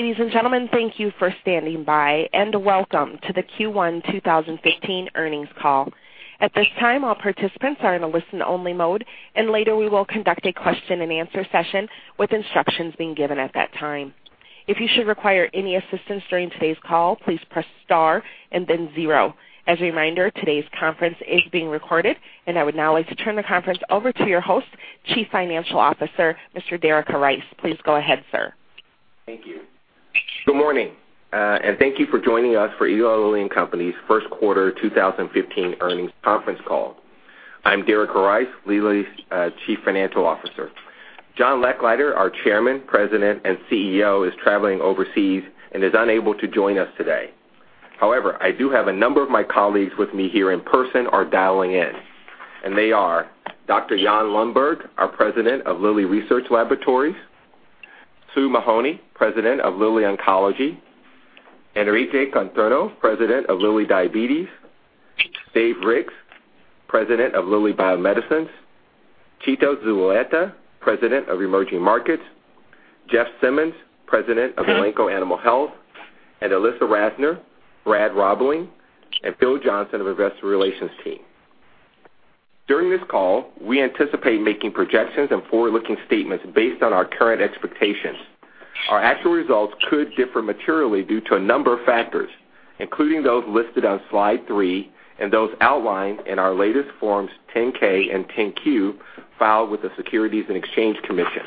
Ladies and gentlemen, thank you for standing by, and welcome to the Q1 2015 earnings call. At this time, all participants are in a listen-only mode, and later we will conduct a question-and-answer session, with instructions being given at that time. If you should require any assistance during today's call, please press star and then zero. As a reminder, today's conference is being recorded. I would now like to turn the conference over to your host, Chief Financial Officer, Mr. Derica Rice. Please go ahead, sir. Thank you. Good morning, and thank you for joining us for Eli Lilly and Company's first quarter 2015 earnings conference call. I'm Derica Rice, Lilly's Chief Financial Officer. John Lechleiter, our Chairman, President, and CEO, is traveling overseas and is unable to join us today. However, I do have a number of my colleagues with me here in person or dialing in, and they are Dr. Jan Lundberg, our President of Lilly Research Laboratories; Sue Mahony, President of Lilly Oncology; Enrique Conterno, President of Lilly Diabetes; Dave Ricks, President of Lilly Bio-Medicines; Tito Zulueta, President of Emerging Markets; Jeff Simmons, President of Elanco Animal Health; Ilissa Rassner, Brad Robling, and Phil Johnson of Investor Relations team. During this call, we anticipate making projections and forward-looking statements based on our current expectations. Our actual results could differ materially due to a number of factors, including those listed on slide three and those outlined in our latest Forms 10-K and 10-Q filed with the Securities and Exchange Commission.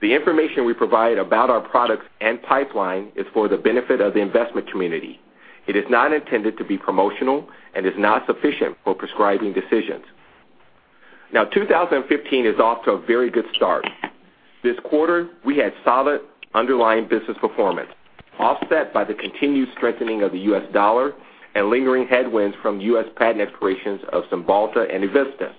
The information we provide about our products and pipeline is for the benefit of the investment community. It is not intended to be promotional and is not sufficient for prescribing decisions. Now, 2015 is off to a very good start. This quarter, we had solid underlying business performance, offset by the continued strengthening of the U.S. dollar and lingering headwinds from U.S. patent expirations of Cymbalta and Evista.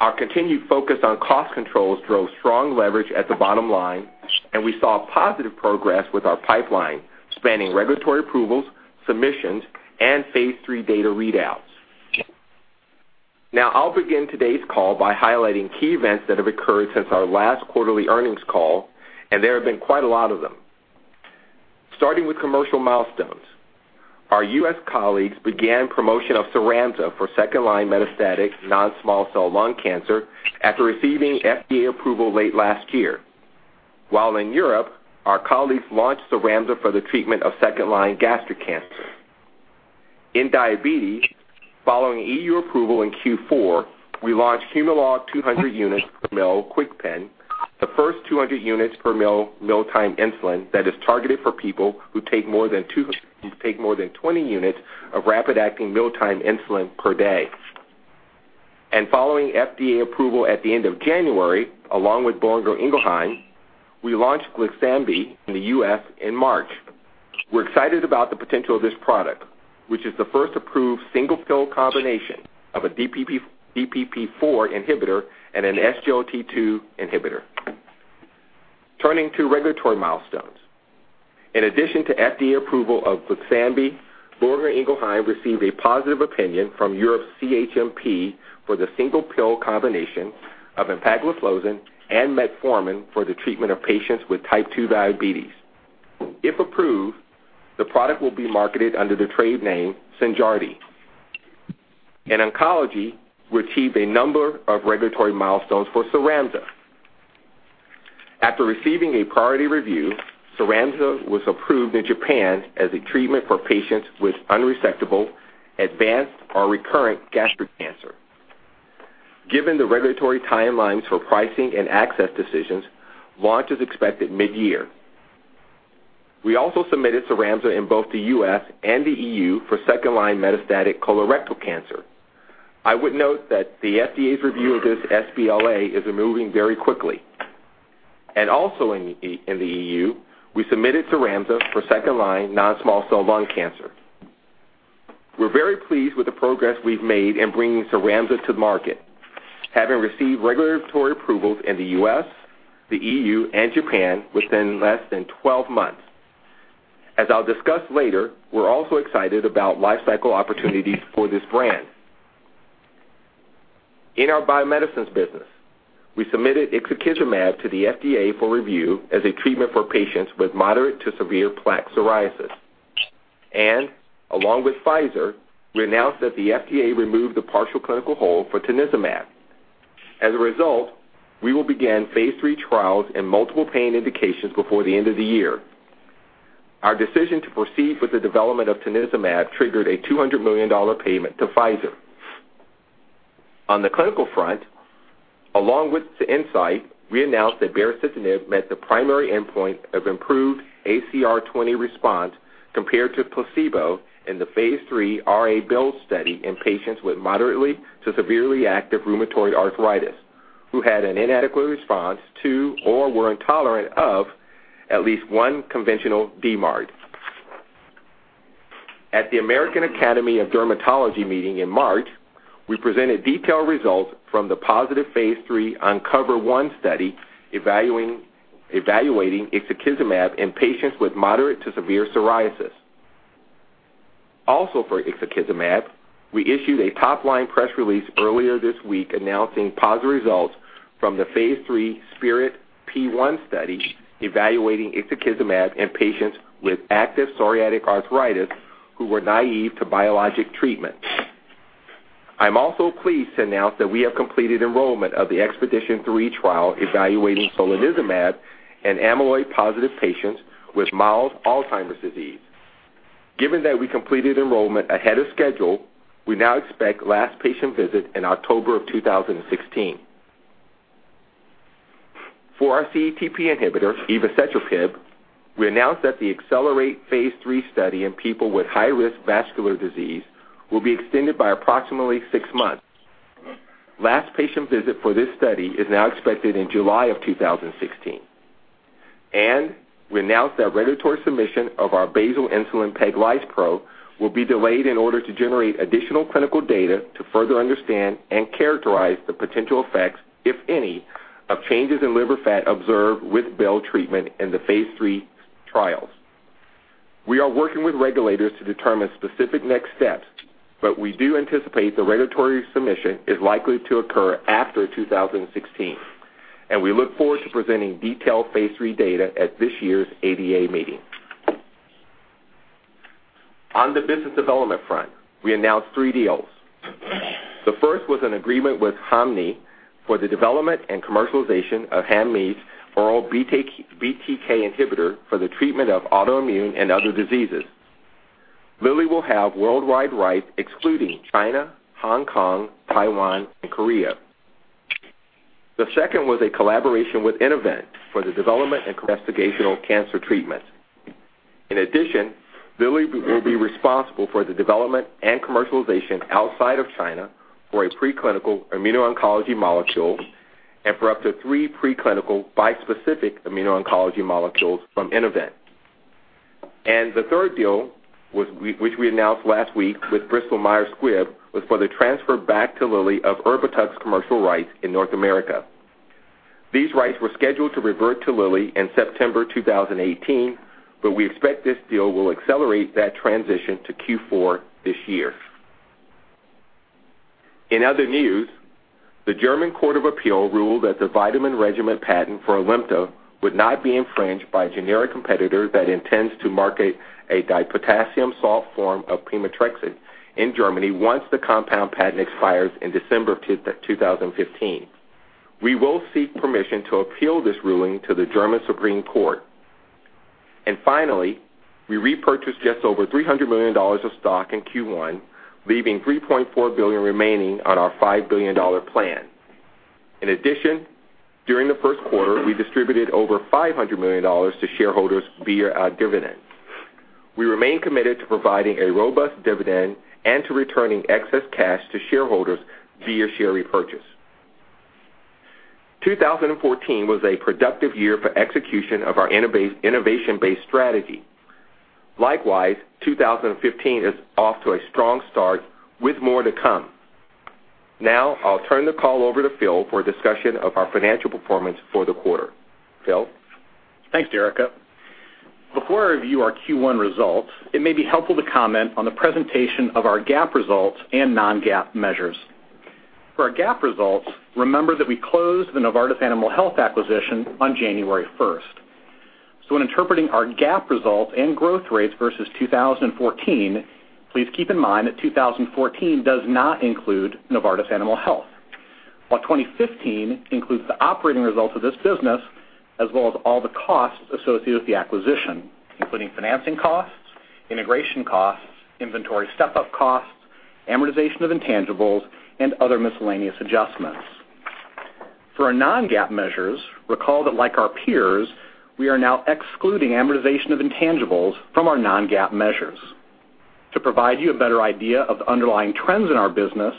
Our continued focus on cost controls drove strong leverage at the bottom line, and we saw positive progress with our pipeline, spanning regulatory approvals, submissions, and phase III data readouts. Now, I'll begin today's call by highlighting key events that have occurred since our last quarterly earnings call, and there have been quite a lot of them. Starting with commercial milestones. Our U.S. colleagues began promotion of CYRAMZA for second-line metastatic non-small cell lung cancer after receiving FDA approval late last year. While in Europe, our colleagues launched CYRAMZA for the treatment of second-line gastric cancer. In diabetes, following EU approval in Q4, we launched Humalog 200 units per mL KwikPen, the first 200 units per mL mealtime insulin that is targeted for people who take more than 20 units of rapid-acting mealtime insulin per day. Following FDA approval at the end of January, along with Boehringer Ingelheim, we launched Glyxambi in the U.S. in March. We're excited about the potential of this product, which is the first approved single pill combination of a DPP4 inhibitor and an SGLT2 inhibitor. Turning to regulatory milestones. In addition to FDA approval of Glyxambi, Boehringer Ingelheim received a positive opinion from Europe's CHMP for the single pill combination of empagliflozin and metformin for the treatment of patients with type 2 diabetes. If approved, the product will be marketed under the trade name Synjardy. In oncology, we achieved a number of regulatory milestones for CYRAMZA. After receiving a priority review, CYRAMZA was approved in Japan as a treatment for patients with unresectable, advanced, or recurrent gastric cancer. Given the regulatory timelines for pricing and access decisions, launch is expected mid-year. We also submitted CYRAMZA in both the U.S. and the EU for second-line metastatic colorectal cancer. I would note that the FDA's review of this sBLA is moving very quickly. Also in the EU, we submitted CYRAMZA for second-line non-small cell lung cancer. We're very pleased with the progress we've made in bringing CYRAMZA to market, having received regulatory approvals in the U.S., the EU, and Japan within less than 12 months. As I'll discuss later, we're also excited about life cycle opportunities for this brand. In our Lilly Bio-Medicines business, we submitted ixekizumab to the FDA for review as a treatment for patients with moderate to severe plaque psoriasis. Along with Pfizer, we announced that the FDA removed the partial clinical hold for tanezumab. As a result, we will begin phase III trials in multiple pain indications before the end of the year. Our decision to proceed with the development of tanezumab triggered a $200 million payment to Pfizer. On the clinical front, along with Incyte, we announced that baricitinib met the primary endpoint of improved ACR20 response compared to placebo in the phase III RA-BUILD study in patients with moderately to severely active rheumatoid arthritis who had an inadequate response to or were intolerant of at least one conventional DMARD. At the American Academy of Dermatology meeting in March, we presented detailed results from the positive phase III UNCOVER-1 study evaluating ixekizumab in patients with moderate to severe psoriasis. Also for ixekizumab, we issued a top-line press release earlier this week announcing positive results from the Phase III SPIRIT-P1 study evaluating ixekizumab in patients with active psoriatic arthritis who were naive to biologic treatment. I'm also pleased to announce that we have completed enrollment of the EXPEDITION3 trial evaluating solanezumab in amyloid-positive patients with mild Alzheimer's disease. Given that we completed enrollment ahead of schedule, we now expect last patient visit in October of 2016. For our CETP inhibitor, evacetrapib, we announced that the ACCELERATE Phase III study in people with high-risk vascular disease will be extended by approximately six months. Last patient visit for this study is now expected in July of 2016. We announced that regulatory submission of our basal insulin peglispro will be delayed in order to generate additional clinical data to further understand and characterize the potential effects, if any, of changes in liver fat observed with BEL treatment in the Phase III trials. We are working with regulators to determine specific next steps, we do anticipate the regulatory submission is likely to occur after 2016, and we look forward to presenting detailed Phase III data at this year's ADA meeting. On the business development front, we announced three deals. The first was an agreement with Hanmi for the development and commercialization of Hanmi's oral BTK inhibitor for the treatment of autoimmune and other diseases. Lilly will have worldwide rights excluding China, Hong Kong, Taiwan, and Korea. The second was a collaboration with Innovent for the development and investigational cancer treatment. In addition, Lilly will be responsible for the development and commercialization outside of China for a preclinical immuno-oncology molecule and for up to three preclinical bispecific immuno-oncology molecules from Innovent. The third deal, which we announced last week with Bristol Myers Squibb, was for the transfer back to Lilly of Erbitux commercial rights in North America. These rights were scheduled to revert to Lilly in September 2018, but we expect this deal will accelerate that transition to Q4 this year. In other news, the German Court of Appeal ruled that the vitamin regimen patent for ALIMTA would not be infringed by a generic competitor that intends to market a dipotassium salt form of pemetrexed in Germany, once the compound patent expires in December 2015. We will seek permission to appeal this ruling to the German Supreme Court. Finally, we repurchased just over $300 million of stock in Q1, leaving $3.4 billion remaining on our $5 billion plan. In addition, during the first quarter, we distributed over $500 million to shareholders via dividends. We remain committed to providing a robust dividend and to returning excess cash to shareholders via share repurchase. 2014 was a productive year for execution of our innovation-based strategy. Likewise, 2015 is off to a strong start with more to come. Now, I'll turn the call over to Phil for a discussion of our financial performance for the quarter. Phil? Thanks, Derica. Before I review our Q1 results, it may be helpful to comment on the presentation of our GAAP results and non-GAAP measures. For our GAAP results, remember that we closed the Novartis Animal Health acquisition on January 1st. So when interpreting our GAAP results and growth rates versus 2014, please keep in mind that 2014 does not include Novartis Animal Health, while 2015 includes the operating results of this business as well as all the costs associated with the acquisition, including financing costs, integration costs, inventory step-up costs, amortization of intangibles, and other miscellaneous adjustments. For our non-GAAP measures, recall that like our peers, we are now excluding amortization of intangibles from our non-GAAP measures. To provide you a better idea of underlying trends in our business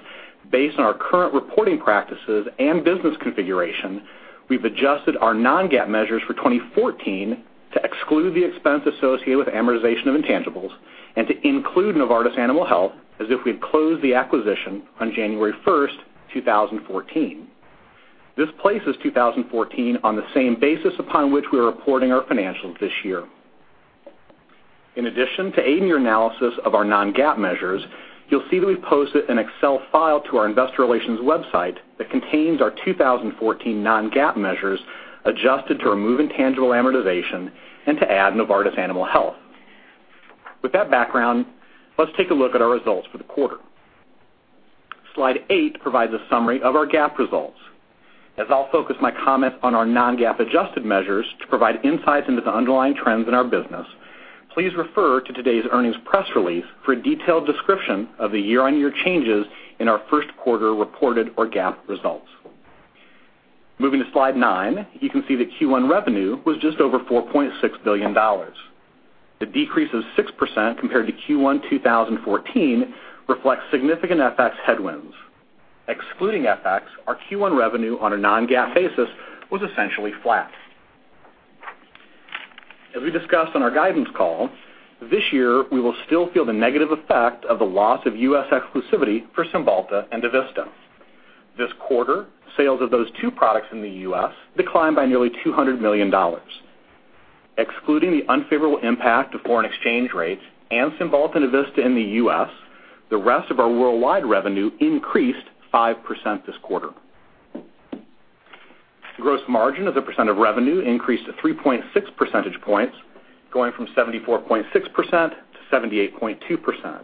based on our current reporting practices and business configuration, we've adjusted our non-GAAP measures for 2014 to exclude the expense associated with amortization of intangibles and to include Novartis Animal Health as if we had closed the acquisition on January 1st, 2014. This places 2014 on the same basis upon which we're reporting our financials this year. In addition to aiding your analysis of our non-GAAP measures, you'll see that we posted an Excel file to our investor relations website that contains our 2014 non-GAAP measures adjusted to remove intangible amortization and to add Novartis Animal Health. With that background, let's take a look at our results for the quarter. Slide eight provides a summary of our GAAP results. I'll focus my comments on our non-GAAP adjusted measures to provide insights into the underlying trends in our business, please refer to today's earnings press release for a detailed description of the year-on-year changes in our first quarter reported or GAAP results. Moving to slide nine, you can see that Q1 revenue was just over $4.6 billion. The decrease of 6% compared to Q1 2014 reflects significant FX headwinds. Excluding FX, our Q1 revenue on a non-GAAP basis was essentially flat. As we discussed on our guidance call, this year we will still feel the negative effect of the loss of U.S. exclusivity for Cymbalta and Evista. This quarter, sales of those two products in the U.S. declined by nearly $200 million. Excluding the unfavorable impact of foreign exchange rates and Cymbalta and Evista in the U.S., the rest of our worldwide revenue increased 5% this quarter. The gross margin as a percent of revenue increased 3.6 percentage points, going from 74.6% to 78.2%.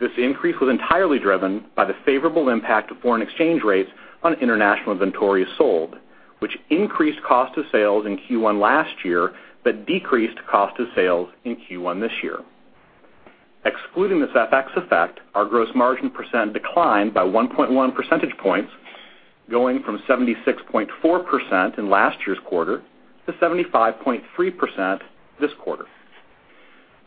This increase was entirely driven by the favorable impact of foreign exchange rates on international inventories sold, which increased cost of sales in Q1 last year, but decreased cost of sales in Q1 this year. Excluding this FX effect, our gross margin percent declined by 1.1 percentage points, going from 76.4% in last year's quarter to 75.3% this quarter.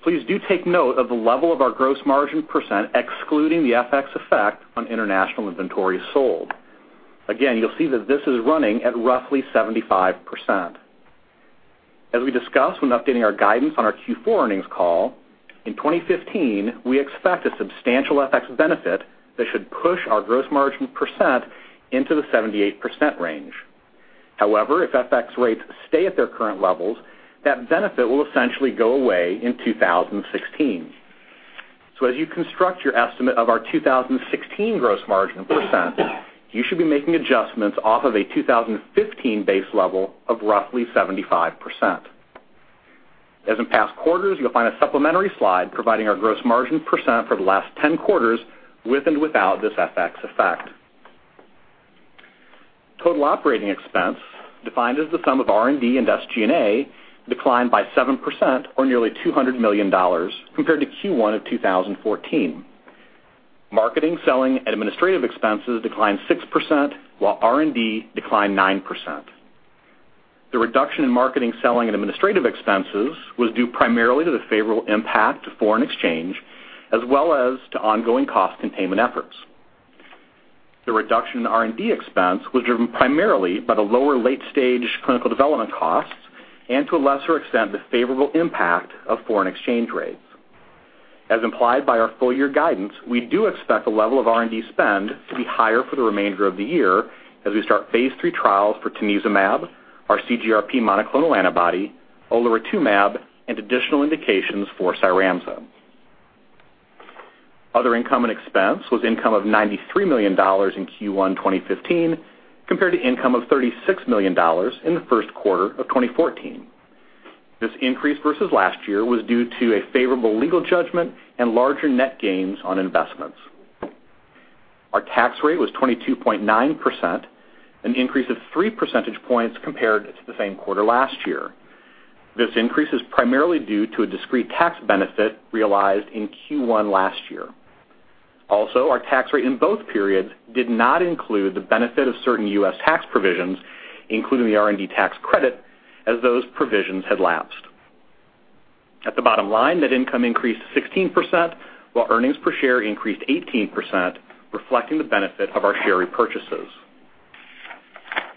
Please do take note of the level of our gross margin percent excluding the FX effect on international inventories sold. Again, you'll see that this is running at roughly 75%. As we discussed when updating our guidance on our Q4 earnings call, in 2015, we expect a substantial FX benefit that should push our gross margin percent into the 78% range. If FX rates stay at their current levels, that benefit will essentially go away in 2016. As you construct your estimate of our 2016 gross margin percent, you should be making adjustments off of a 2015 base level of roughly 75%. As in past quarters, you'll find a supplementary slide providing our gross margin percent for the last 10 quarters with and without this FX effect. Total operating expense, defined as the sum of R&D and SG&A, declined by 7%, or nearly $200 million compared to Q1 of 2014. Marketing, selling, and administrative expenses declined 6%, while R&D declined 9%. The reduction in marketing, selling, and administrative expenses was due primarily to the favorable impact to foreign exchange, as well as to ongoing cost containment efforts. The reduction in R&D expense was driven primarily by the lower late-stage clinical development costs, and to a lesser extent, the favorable impact of foreign exchange rates. As implied by our full year guidance, we do expect the level of R&D spend to be higher for the remainder of the year as we start phase III trials for tanezumab, our CGRP monoclonal antibody, olaratumab, and additional indications for CYRAMZA. Other income and expense was income of $93 million in Q1 2015 compared to income of $36 million in the first quarter of 2014. This increase versus last year was due to a favorable legal judgment and larger net gains on investments. Our tax rate was 22.9%, an increase of three percentage points compared to the same quarter last year. This increase is primarily due to a discrete tax benefit realized in Q1 last year. Our tax rate in both periods did not include the benefit of certain U.S. tax provisions, including the R&D tax credit, as those provisions had lapsed. At the bottom line, net income increased 16%, while earnings per share increased 18%, reflecting the benefit of our share repurchases.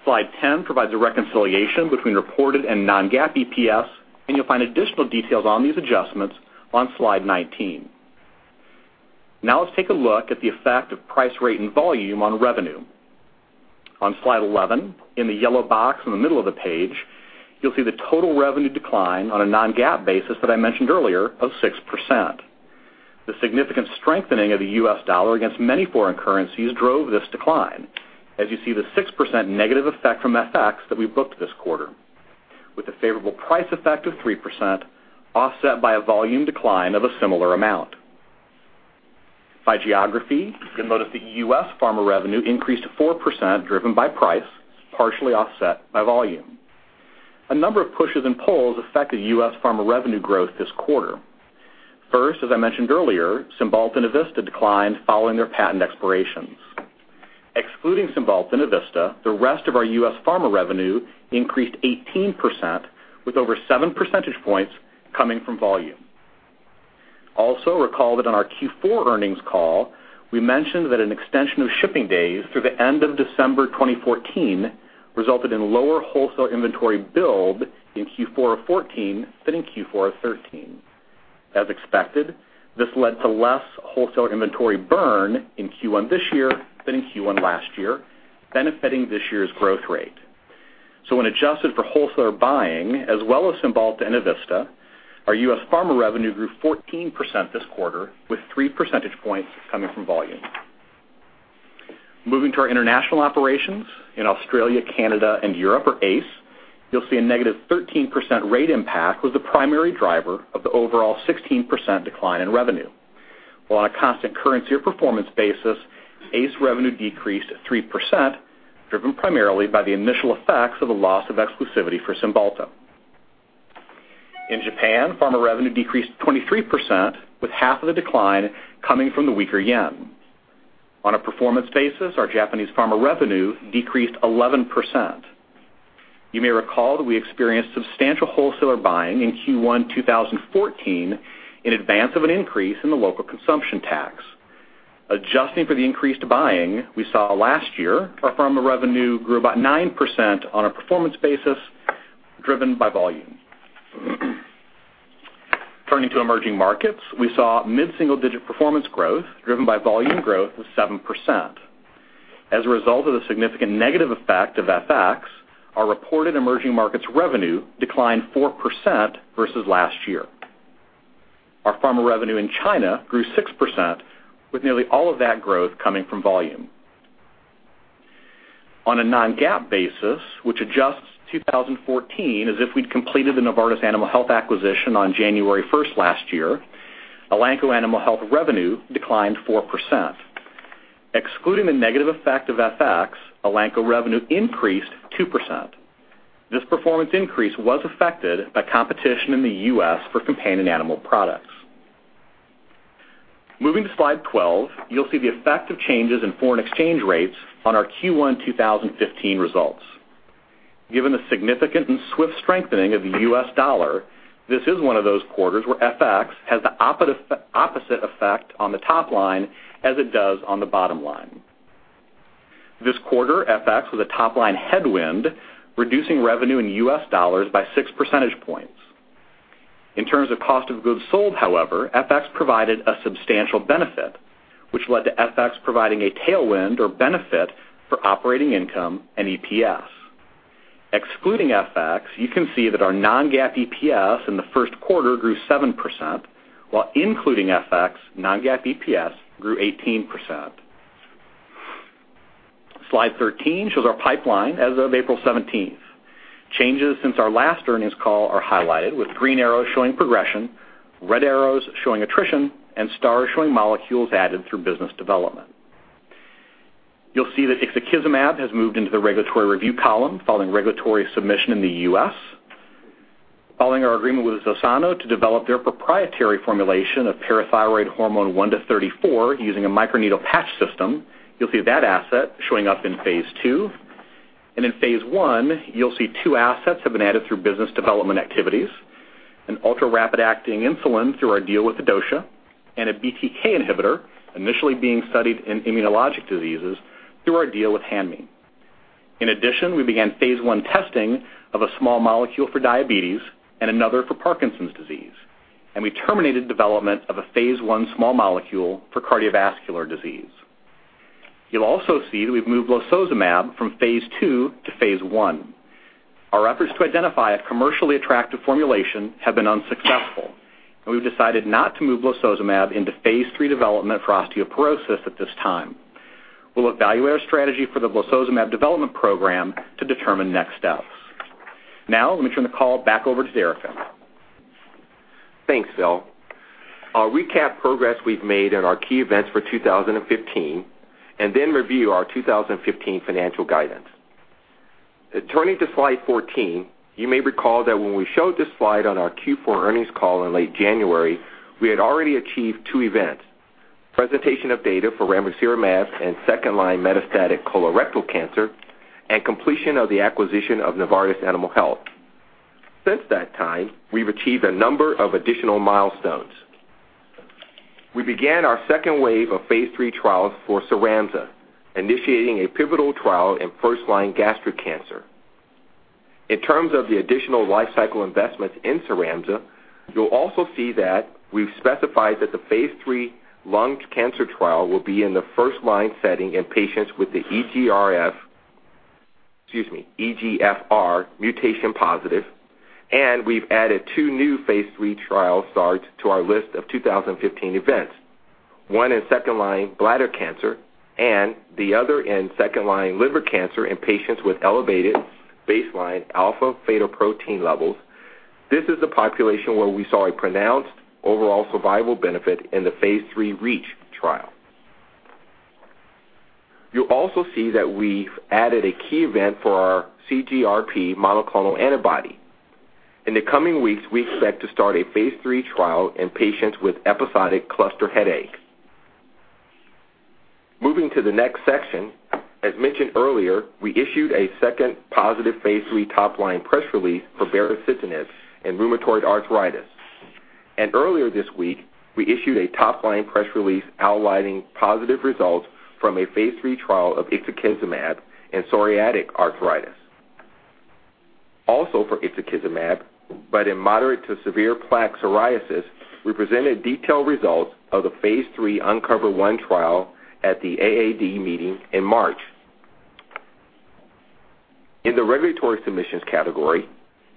Slide 10 provides a reconciliation between reported and non-GAAP EPS, and you'll find additional details on these adjustments on slide 19. Let's take a look at the effect of price rate and volume on revenue. On slide 11, in the yellow box in the middle of the page, you'll see the total revenue decline on a non-GAAP basis that I mentioned earlier of 6%. The significant strengthening of the U.S. dollar against many foreign currencies drove this decline. The 6% negative effect from FX that we booked this quarter with a favorable price effect of 3% offset by a volume decline of a similar amount. By geography, you'll notice that U.S. pharma revenue increased 4%, driven by price, partially offset by volume. A number of pushes and pulls affected U.S. pharma revenue growth this quarter. As I mentioned earlier, Cymbalta and Evista declined following their patent expirations. Excluding Cymbalta and Evista, the rest of our U.S. pharma revenue increased 18%, with over seven percentage points coming from volume. Recall that on our Q4 earnings call, we mentioned that an extension of shipping days through the end of December 2014 resulted in lower wholesale inventory build in Q4 of 2014 than in Q4 of 2013. This led to less wholesale inventory burn in Q1 this year than in Q1 last year, benefiting this year's growth rate. When adjusted for wholesaler buying as well as Cymbalta and Evista, our U.S. pharma revenue grew 14% this quarter, with three percentage points coming from volume. Moving to our international operations in Australia, Canada, and Europe, or ACE, you'll see a negative 13% rate impact was the primary driver of the overall 16% decline in revenue. While on a constant currency or performance basis, ACE revenue decreased 3%, driven primarily by the initial effects of the loss of exclusivity for Cymbalta. In Japan, pharma revenue decreased 23%, with half of the decline coming from the weaker yen. On a performance basis, our Japanese pharma revenue decreased 11%. You may recall that we experienced substantial wholesaler buying in Q1 2014 in advance of an increase in the local consumption tax. Adjusting for the increased buying we saw last year, our pharma revenue grew about 9% on a performance basis, driven by volume. Turning to emerging markets, we saw mid-single-digit performance growth, driven by volume growth of 7%. As a result of the significant negative effect of FX, our reported emerging markets revenue declined 4% versus last year. Our pharma revenue in China grew 6%, with nearly all of that growth coming from volume. On a non-GAAP basis, which adjusts 2014 as if we'd completed the Novartis Animal Health acquisition on January 1st last year, Elanco Animal Health revenue declined 4%. Excluding the negative effect of FX, Elanco revenue increased 2%. This performance increase was affected by competition in the U.S. for companion animal products. Moving to slide 12, you'll see the effect of changes in foreign exchange rates on our Q1 2015 results. Given the significant and swift strengthening of the US dollar, this is one of those quarters where FX has the opposite effect on the top line as it does on the bottom line. This quarter, FX was a top-line headwind, reducing revenue in U.S. dollars by six percentage points. In terms of cost of goods sold, however, FX provided a substantial benefit, which led to FX providing a tailwind or benefit for operating income and EPS. Excluding FX, you can see that our non-GAAP EPS in the first quarter grew 7%, while including FX, non-GAAP EPS grew 18%. Slide 13 shows our pipeline as of April 17th. Changes since our last earnings call are highlighted with green arrows showing progression, red arrows showing attrition, and stars showing molecules added through business development. You'll see that ixekizumab has moved into the regulatory review column following regulatory submission in the U.S. Following our agreement with Zosano to develop their proprietary formulation of parathyroid hormone 1-34 using a microneedle patch system, you'll see that asset showing up in phase II. In phase I, you'll see two assets have been added through business development activities: an ultrarapid-acting insulin through our deal with Adocia and a BTK inhibitor initially being studied in immunologic diseases through our deal with Hanmi. In addition, we began phase I testing of a small molecule for diabetes and another for Parkinson's disease, and we terminated development of a phase I small molecule for cardiovascular disease. You'll also see that we've moved lososumab from phase II to phase I. Our efforts to identify a commercially attractive formulation have been unsuccessful, and we've decided not to move lososumab into phase III development for osteoporosis at this time. We'll evaluate our strategy for the lososumab development program to determine next steps. Now, let me turn the call back over to Derica. Thanks, Phil. I'll recap progress we've made and our key events for 2015 and then review our 2015 financial guidance. Turning to slide 14, you may recall that when we showed this slide on our Q4 earnings call in late January, we had already achieved two events: presentation of data for ramucirumab in second-line metastatic colorectal cancer and completion of the acquisition of Novartis Animal Health. Since that time, we've achieved a number of additional milestones. We began our second wave of phase III trials for CYRAMZA, initiating a pivotal trial in first-line gastric cancer. In terms of the additional life cycle investments in CYRAMZA, you'll also see that we've specified that the phase III lung cancer trial will be in the first-line setting in patients with the EGFR mutation positive, and we've added two new phase III trial starts to our list of 2015 events. One in second-line bladder cancer and the other in second-line liver cancer in patients with elevated baseline alpha-fetoprotein levels. This is the population where we saw a pronounced overall survival benefit in the phase III REACH trial. You'll also see that we've added a key event for our CGRP monoclonal antibody. In the coming weeks, we expect to start a phase III trial in patients with episodic cluster headaches. Moving to the next section, as mentioned earlier, we issued a second positive phase III top-line press release for baricitinib in rheumatoid arthritis. Earlier this week, we issued a top-line press release outlining positive results from a phase III trial of ixekizumab in psoriatic arthritis. Also for ixekizumab, but in moderate to severe plaque psoriasis, we presented detailed results of the phase III UNCOVER-1 trial at the AAD meeting in March. In the regulatory submissions category,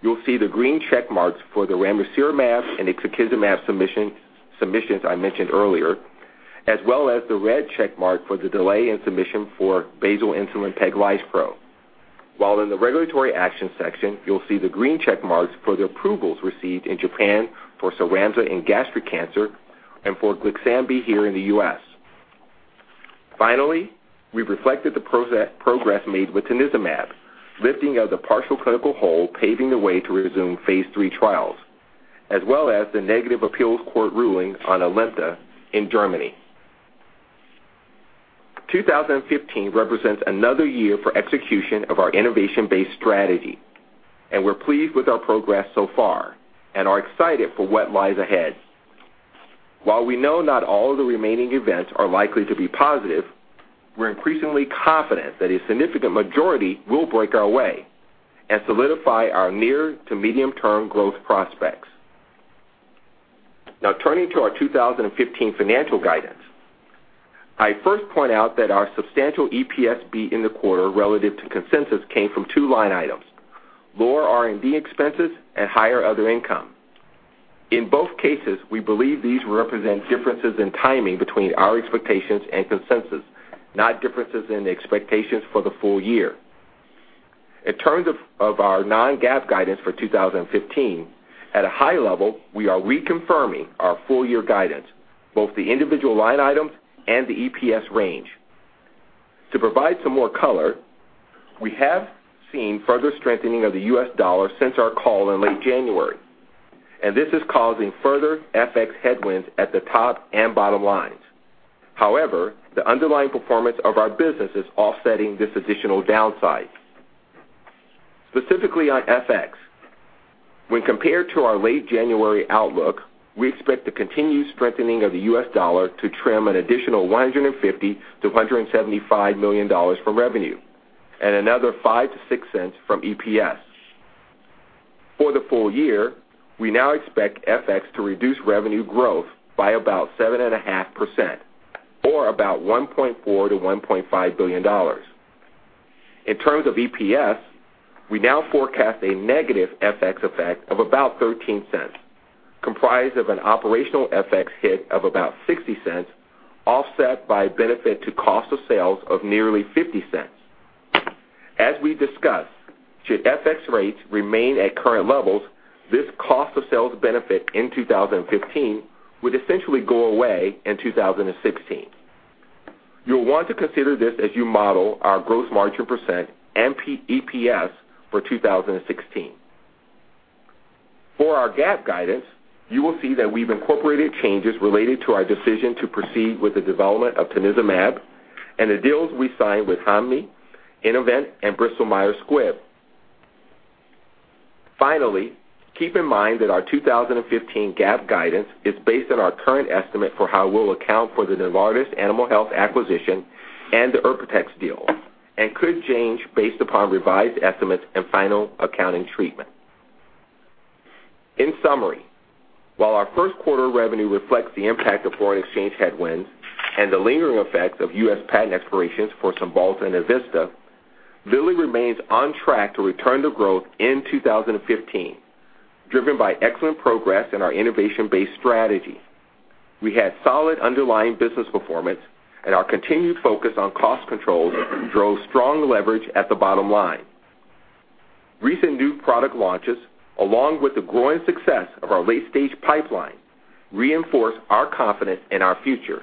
you'll see the green check marks for the ramucirumab and ixekizumab submissions I mentioned earlier, as well as the red check mark for the delay in submission for basal insulin peglispro. While in the regulatory action section, you'll see the green check marks for the approvals received in Japan for CYRAMZA in gastric cancer and for Glyxambi here in the U.S. Finally, we've reflected the progress made with tanezumab, lifting of the partial clinical hold, paving the way to resume phase III trials, as well as the negative appeals court ruling on ALIMTA in Germany. 2015 represents another year for execution of our innovation-based strategy, and we're pleased with our progress so far and are excited for what lies ahead. While we know not all of the remaining events are likely to be positive, we're increasingly confident that a significant majority will break our way and solidify our near to medium-term growth prospects. Now, turning to our 2015 financial guidance. I first point out that our substantial EPS beat in the quarter relative to consensus came from two line items, lower R&D expenses and higher other income. In both cases, we believe these represent differences in timing between our expectations and consensus, not differences in the expectations for the full year. In terms of our non-GAAP guidance for 2015, at a high level, we are reconfirming our full year guidance, both the individual line items and the EPS range. To provide some more color, we have seen further strengthening of the U.S. dollar since our call in late January. This is causing further FX headwinds at the top and bottom lines. However, the underlying performance of our business is offsetting this additional downside. Specifically on FX, when compared to our late January outlook, we expect the continued strengthening of the U.S. dollar to trim an additional $150 million-$175 million from revenue and another $0.05-$0.06 from EPS. For the full year, we now expect FX to reduce revenue growth by about 7.5% or about $1.4 billion-$1.5 billion. In terms of EPS, we now forecast a negative FX effect of about $0.13, comprised of an operational FX hit of about $0.60, offset by benefit to cost of sales of nearly $0.50. As we discussed, should FX rates remain at current levels, this cost of sales benefit in 2015 would essentially go away in 2016. You'll want to consider this as you model our gross margin percent and EPS for 2016. For our GAAP guidance, you will see that we've incorporated changes related to our decision to proceed with the development of tanezumab and the deals we signed with Hanmi, Innovent, and Bristol Myers Squibb. Finally, keep in mind that our 2015 GAAP guidance is based on our current estimate for how we'll account for the Novartis Animal Health acquisition and the Erbitux deal and could change based upon revised estimates and final accounting treatment. In summary, while our first quarter revenue reflects the impact of foreign exchange headwinds and the lingering effects of U.S. patent expirations for Cymbalta and Evista, Lilly remains on track to return to growth in 2015, driven by excellent progress in our innovation-based strategy. We had solid underlying business performance and our continued focus on cost controls drove strong leverage at the bottom line. Recent new product launches, along with the growing success of our late-stage pipeline, reinforce our confidence in our future.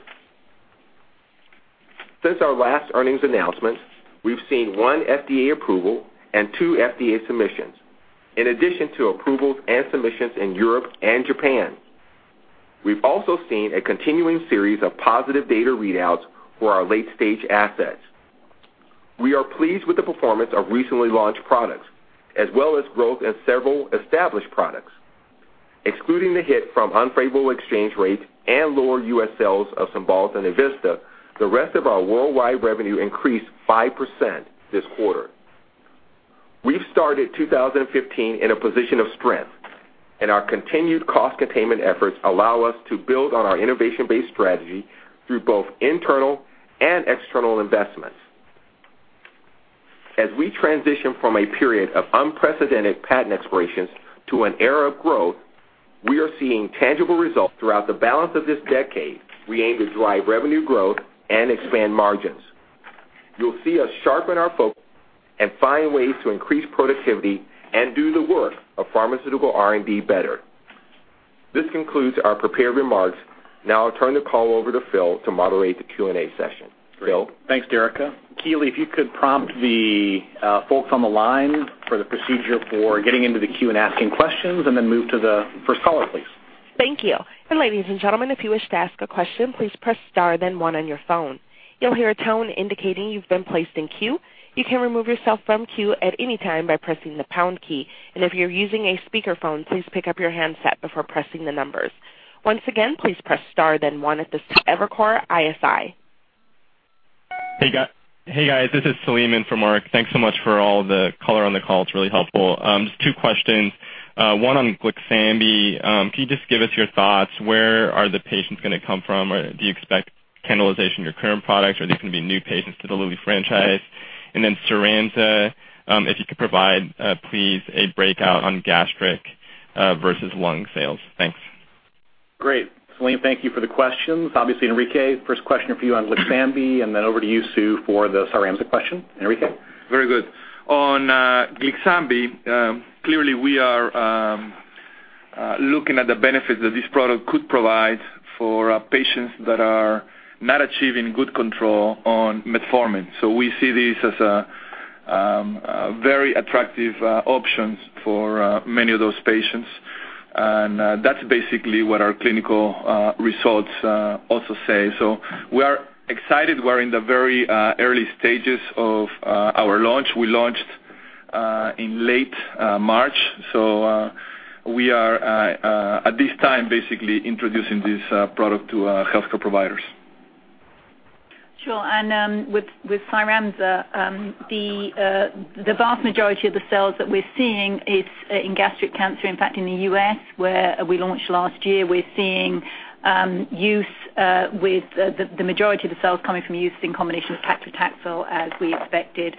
Since our last earnings announcement, we've seen one FDA approval and two FDA submissions, in addition to approvals and submissions in Europe and Japan. We've also seen a continuing series of positive data readouts for our late-stage assets. We are pleased with the performance of recently launched products, as well as growth in several established products. Excluding the hit from unfavorable exchange rates and lower U.S. sales of Cymbalta and Evista, the rest of our worldwide revenue increased 5% this quarter. We've started 2015 in a position of strength. Our continued cost containment efforts allow us to build on our innovation-based strategy through both internal and external investments. As we transition from a period of unprecedented patent expirations to an era of growth, we are seeing tangible results throughout the balance of this decade. We aim to drive revenue growth and expand margins. You'll see us sharpen our focus and find ways to increase productivity and do the work of pharmaceutical R&D better. This concludes our prepared remarks. Now I'll turn the call over to Phil to moderate the Q&A session. Phil? Great. Thanks, Derica. Keeley, if you could prompt the folks on the line for the procedure for getting into the queue and asking questions, then move to the first caller, please. Thank you. Ladies and gentlemen, if you wish to ask a question, please press star then one on your phone. You'll hear a tone indicating you've been placed in queue. You can remove yourself from queue at any time by pressing the pound key. If you're using a speakerphone, please pick up your handset before pressing the numbers. Once again, please press star then one at this time. Evercore ISI. Hey, guys. This is Saleem in from ISI. Thanks so much for all the color on the call. It's really helpful. Just two questions. One on Glyxambi. Can you just give us your thoughts? Where are the patients going to come from? Do you expect cannibalization of your current products, or are these going to be new patients to the Lilly franchise? Then CYRAMZA, if you could provide, please, a breakout on gastric versus lung sales. Thanks. Great. Saleem, thank you for the questions. Obviously, Enrique, first question for you on Glyxambi, then over to you, Sue, for the CYRAMZA question. Enrique? Very good. On Glyxambi, clearly we are looking at the benefits that this product could provide for patients that are not achieving good control on metformin. We see this as a very attractive option for many of those patients. That's basically what our clinical results also say. We are excited. We're in the very early stages of our launch. We launched in late March, we are, at this time, basically introducing this product to healthcare providers. Sure. With CYRAMZA, the vast majority of the sales that we're seeing is in gastric cancer. In fact, in the U.S., where we launched last year, we're seeing use with the majority of the sales coming from use in combination with paclitaxel as we expected.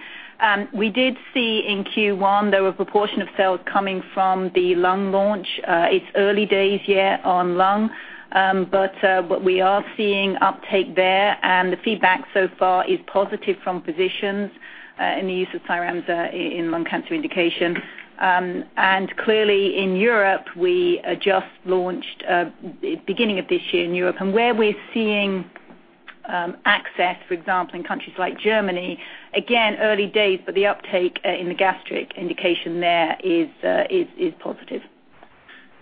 We did see in Q1 there were a proportion of sales coming from the lung launch. It's early days yet on lung. We are seeing uptake there, and the feedback so far is positive from physicians in the use of CYRAMZA in lung cancer indication. Clearly, in Europe, we just launched beginning of this year in Europe, and where we're seeing access, for example, in countries like Germany, again, early days, but the uptake in the gastric indication there is positive.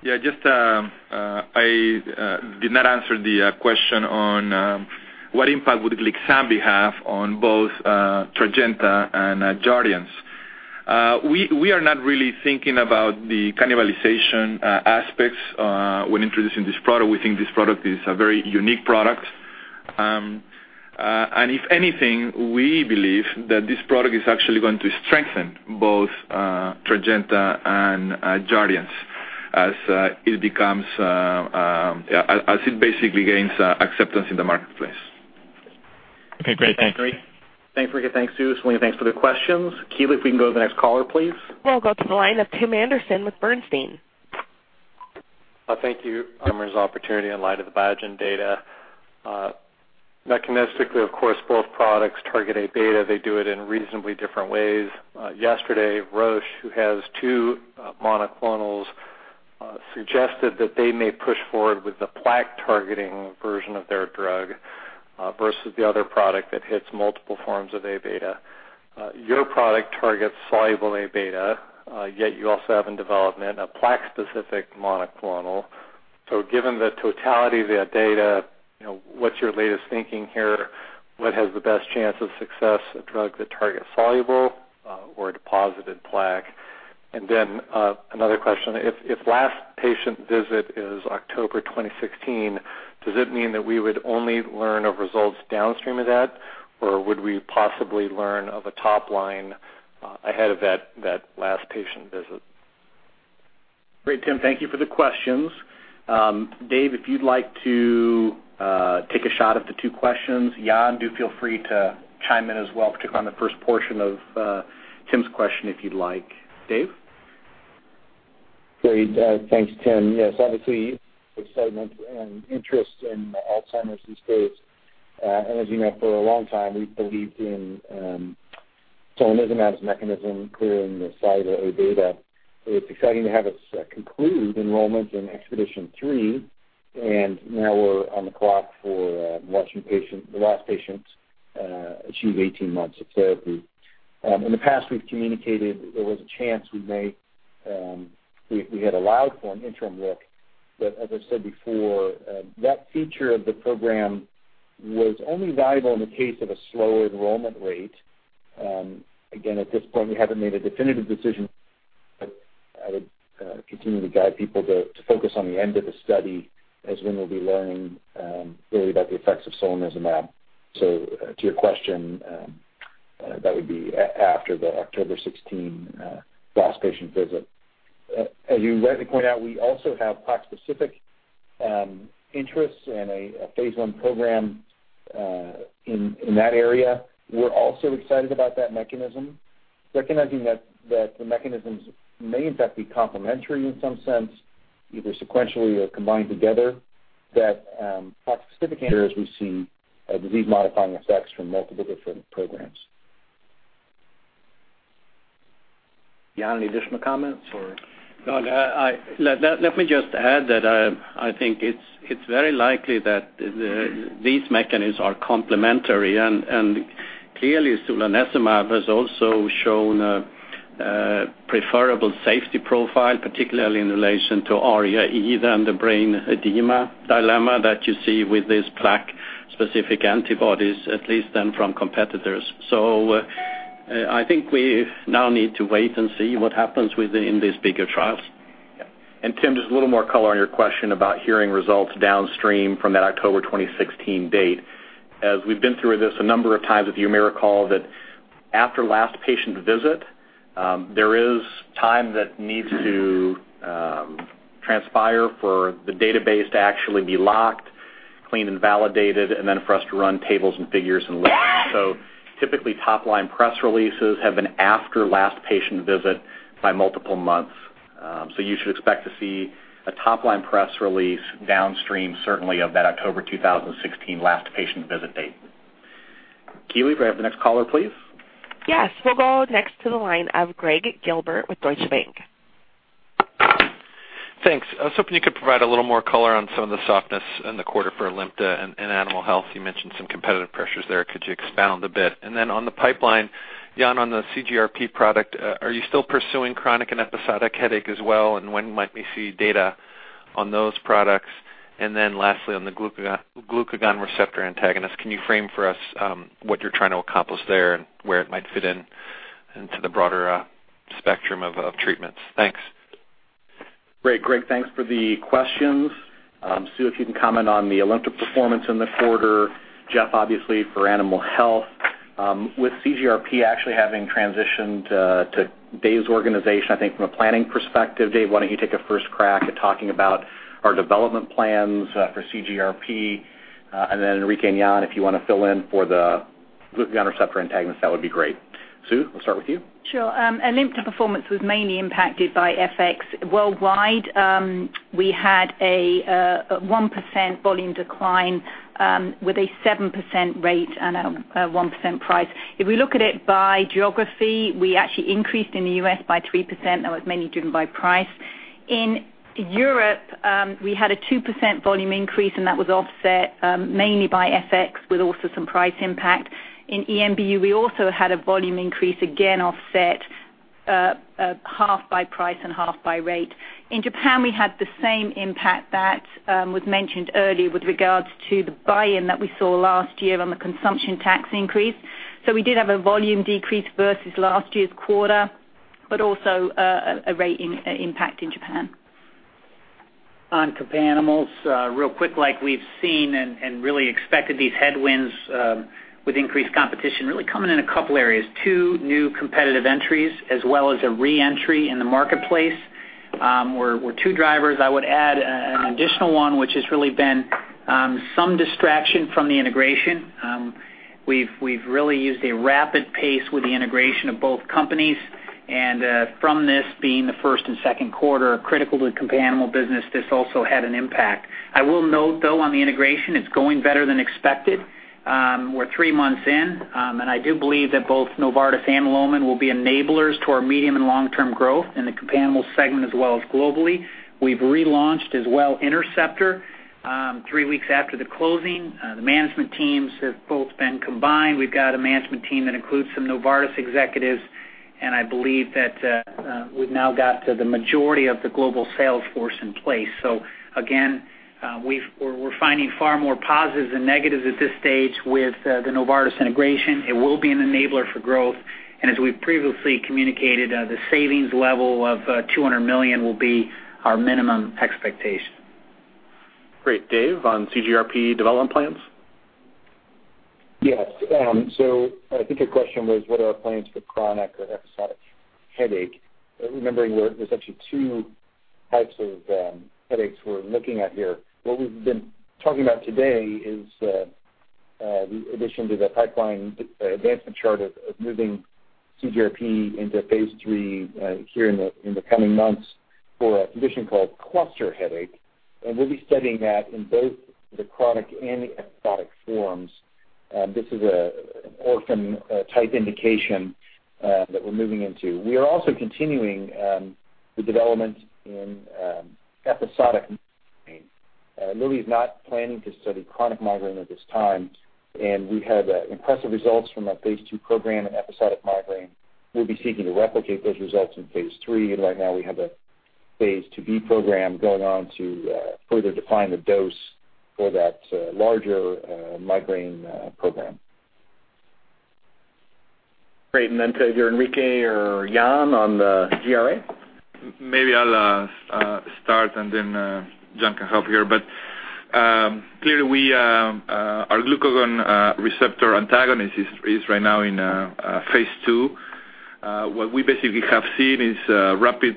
Yeah. Just I did not answer the question on what impact would Glyxambi have on both Tradjenta and Jardiance. We are not really thinking about the cannibalization aspects when introducing this product. We think this product is a very unique product. If anything, we believe that this product is actually going to strengthen both Tradjenta and Jardiance as it basically gains acceptance in the marketplace. Okay, great. Thanks. Thanks, Ricky. Thanks, Suze. Saleem, thanks for the questions. Keeley, if we can go to the next caller, please. We'll go to the line of Tim Anderson with Bernstein. Thank you. Alzheimer's opportunity in light of the Biogen data. Mechanistically, of course, both products target A-beta. They do it in reasonably different ways. Yesterday, Roche, who has two monoclonals, suggested that they may push forward with the plaque-targeting version of their drug versus the other product that hits multiple forms of A-beta. Your product targets soluble A-beta, yet you also have in development a plaque-specific monoclonal. Given the totality of the data, what's your latest thinking here? What has the best chance of success, a drug that targets soluble or a deposited plaque? Another question, if last patient visit is October 2016, does it mean that we would only learn of results downstream of that, or would we possibly learn of a top line ahead of that last patient visit? Great, Tim. Thank you for the questions. Dave, if you'd like to take a shot at the two questions. Jan, do feel free to chime in as well, particularly on the first portion of Tim's question if you'd like. Dave? Great. Thanks, Tim. Yes, obviously excitement and interest in the Alzheimer's space. As you know, for a long time, we've believed in solanezumab's mechanism, clearing the site of A-beta. It's exciting to have us conclude enrollment in EXPEDITION3, and now we're on the clock for the last patients achieve 18 months of therapy. In the past, we've communicated there was a chance we had allowed for an interim look, but as I said before, that feature of the program was only valuable in the case of a slow enrollment rate. Again, at this point, we haven't made a definitive decision, but I would continue to guide people to focus on the end of the study as when we'll be learning really about the effects of solanezumab. To your question, that would be after the October 2016 last patient visit. As you rightly point out, we also have plaque-specific interests and a phase I program in that area. We're also excited about that mechanism, recognizing that the mechanisms may in fact be complementary in some sense, either sequentially or combined together, that plaque-specific as we've seen disease-modifying effects from multiple different programs. Jan, any additional comments? Let me just add that I think it's very likely that these mechanisms are complementary. Clearly solanezumab has also shown a preferable safety profile, particularly in relation to ARIA-E than the brain edema dilemma that you see with these plaque-specific antibodies, at least than from competitors. I think we now need to wait and see what happens within these bigger trials. Tim, just a little more color on your question about hearing results downstream from that October 2016 date. As we've been through this a number of times, if you may recall that after last patient visit, there is time that needs to transpire for the database to actually be locked, cleaned, and validated, and then for us to run tables and figures and lists. Typically, top-line press releases have been after last patient visit by multiple months. You should expect to see a top-line press release downstream certainly of that October 2016 last patient visit date. Keeley, can I have the next caller, please? Yes. We'll go next to the line of Gregg Gilbert with Deutsche Bank. Thanks. I was hoping you could provide a little more color on some of the softness in the quarter for ALIMTA and Animal Health. You mentioned some competitive pressures there. Could you expound a bit? Then on the pipeline, Jan, on the CGRP product, are you still pursuing chronic and episodic headache as well, and when might we see data on those products? Lastly, on the glucagon receptor antagonist, can you frame for us what you're trying to accomplish there and where it might fit into the broader spectrum of treatments? Thanks. Great, Gregg. Thanks for the questions. Sue, if you can comment on the ALIMTA performance in the quarter, Jeff, obviously for Animal Health. With CGRP actually having transitioned to Dave's organization, I think from a planning perspective, Dave, why don't you take a first crack at talking about our development plans for CGRP, Enrique and Jan, if you want to fill in for the glucagon receptor antagonist, that would be great. Sue, we'll start with you. Sure. ALIMTA performance was mainly impacted by FX. Worldwide, we had a 1% volume decline with a 7% rate and a 1% price. If we look at it by geography, we actually increased in the U.S. by 3%. That was mainly driven by price. In Europe, we had a 2% volume increase, and that was offset mainly by FX, with also some price impact. In [EMBU], we also had a volume increase, again, offset half by price and half by rate. We did have a volume decrease versus last year's quarter, but also a rate impact in Japan. On companion animals, real quick, like we've seen and really expected these headwinds with increased competition really coming in a couple areas. Two new competitive entries as well as a re-entry in the marketplace were two drivers. I would add an additional one, which has really been some distraction from the integration. We've really used a rapid pace with the integration of both companies, and from this being the first and second quarter, critical to the companion animal business, this also had an impact. I will note, though, on the integration, it's going better than expected. We're three months in, and I do believe that both Novartis Animal Health will be enablers to our medium and long-term growth in the companion animal segment as well as globally. We've relaunched as well Interceptor three weeks after the closing. The management teams have both been combined. We've got a management team that includes some Novartis executives. I believe that we've now got the majority of the global sales force in place. Again, we're finding far more positives than negatives at this stage with the Novartis integration. It will be an enabler for growth. As we've previously communicated, the savings level of $200 million will be our minimum expectation. Great. Dave, on CGRP development plans? Yes. I think your question was, what are our plans for chronic or episodic headache? Remembering there's actually 2 types of headaches we're looking at here. What we've been talking about today is the addition to the pipeline advancement chart of moving CGRP into phase III here in the coming months for a condition called cluster headache. We'll be studying that in both the chronic and the episodic forms. This is an orphan type indication that we're moving into. We are also continuing the development in episodic migraine. Lilly's not planning to study chronic migraine at this time. We had impressive results from our phase II program in episodic migraine. We'll be seeking to replicate those results in phase III. Right now we have a phase II-B program going on to further define the dose for that larger migraine program. Great. Then to you, Enrique or Jan, on the GRA. Maybe I'll start, and then Jan can help here. Clearly our glucagon receptor antagonist is right now in phase II. What we basically have seen is rapid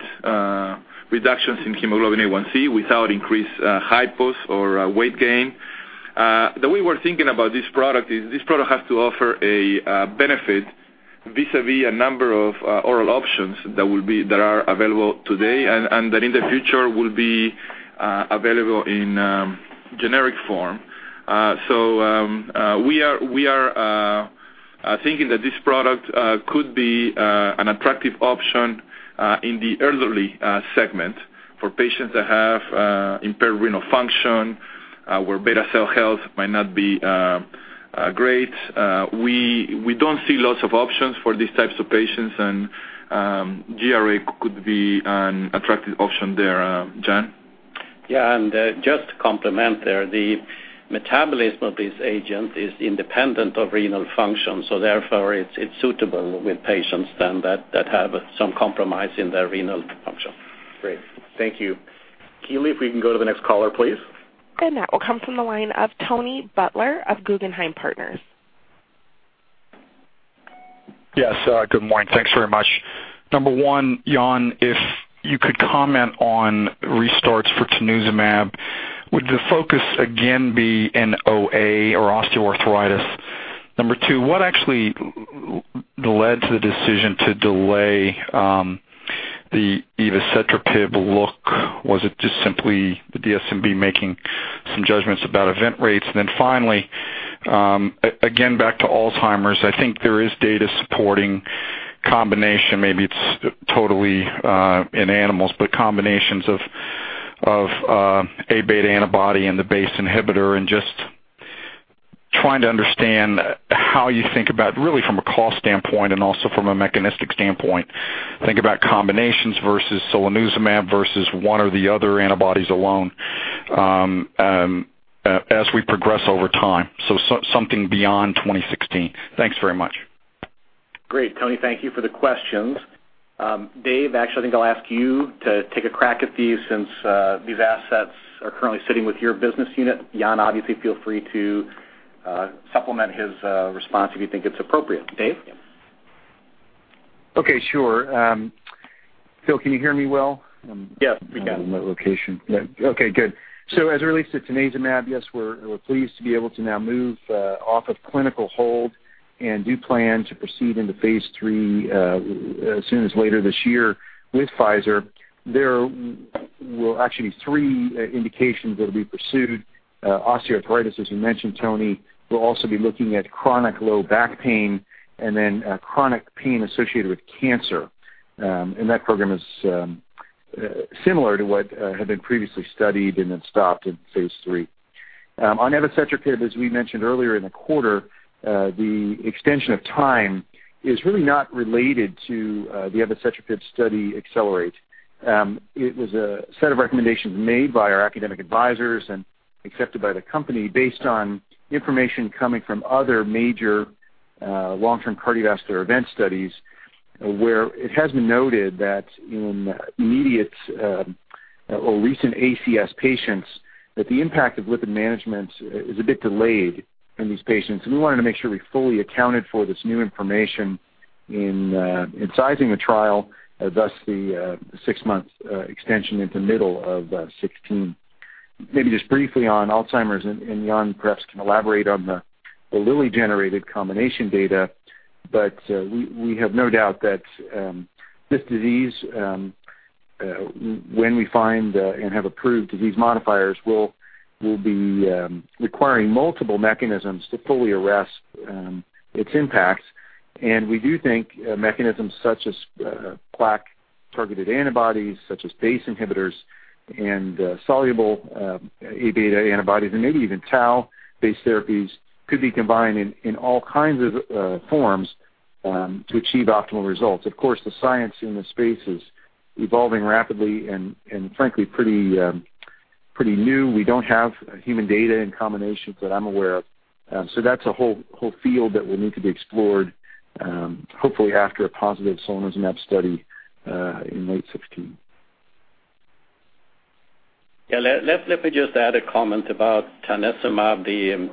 reductions in hemoglobin A1C without increased hypos or weight gain. The way we're thinking about this product is this product has to offer a benefit vis-à-vis a number of oral options that are available today and that in the future will be available in generic form. We are thinking that this product could be an attractive option in the elderly segment for patients that have impaired renal function, where beta cell health might not be great. We don't see lots of options for these types of patients, and GRA could be an attractive option there. Jan? Just to complement there, the metabolism of this agent is independent of renal function, therefore it's suitable with patients then that have some compromise in their renal function. Great. Thank you. Keeley, if we can go to the next caller, please. That will come from the line of Tony Butler of Guggenheim Partners. Yes, good morning. Thanks very much. Number one, Jan, if you could comment on restarts for tanezumab, would the focus again be in OA or osteoarthritis? Number two, what actually led to the decision to delay the evacetrapib look? Was it just simply the DSMB making some judgments about event rates? Finally, again, back to Alzheimer's. I think there is data supporting combination. Maybe it's totally in animals, but combinations of A-beta antibody and the BACE inhibitor and just trying to understand how you think about, really from a cost standpoint and also from a mechanistic standpoint, think about combinations versus solanezumab versus one or the other antibodies alone as we progress over time. Something beyond 2016. Thanks very much. Great, Tony. Thank you for the questions. Dave, actually, I think I'll ask you to take a crack at these since these assets are currently sitting with your business unit. Jan, obviously, feel free to supplement his response if you think it's appropriate. Dave? Okay, sure. Phil, can you hear me well? Yes, we can. I'm in a remote location. Okay, good. As it relates to tanezumab, yes, we're pleased to be able to now move off of clinical hold and do plan to proceed into phase III as soon as later this year with Pfizer. There will actually be three indications that'll be pursued. Osteoarthritis, as you mentioned, Tony. We'll also be looking at chronic low back pain and then chronic pain associated with cancer, and that program is similar to what had been previously studied and then stopped in phase III. On evacetrapib, as we mentioned earlier in the quarter, the extension of time is really not related to the evacetrapib study, ACCELERATE. It was a set of recommendations made by our academic advisors and accepted by the company based on information coming from other major long-term cardiovascular event studies where it has been noted that in immediate or recent ACS patients, that the impact of lipid management is a bit delayed in these patients. We wanted to make sure we fully accounted for this new information in sizing the trial, thus the six-month extension into middle of 2016. Maybe just briefly on Alzheimer's, and Jan perhaps can elaborate on the Lilly-generated combination data, but we have no doubt that this disease, when we find and have approved disease modifiers, will be requiring multiple mechanisms to fully arrest its impacts. We do think mechanisms such as plaque-targeted antibodies, such as BACE inhibitors and soluble Abeta antibodies, and maybe even tau-based therapies, could be combined in all kinds of forms to achieve optimal results. Of course, the science in this space is evolving rapidly and frankly, pretty new. We don't have human data and combinations that I'm aware of. That's a whole field that will need to be explored, hopefully after a positive solanezumab study in late 2016. Let me just add a comment about tanezumab, the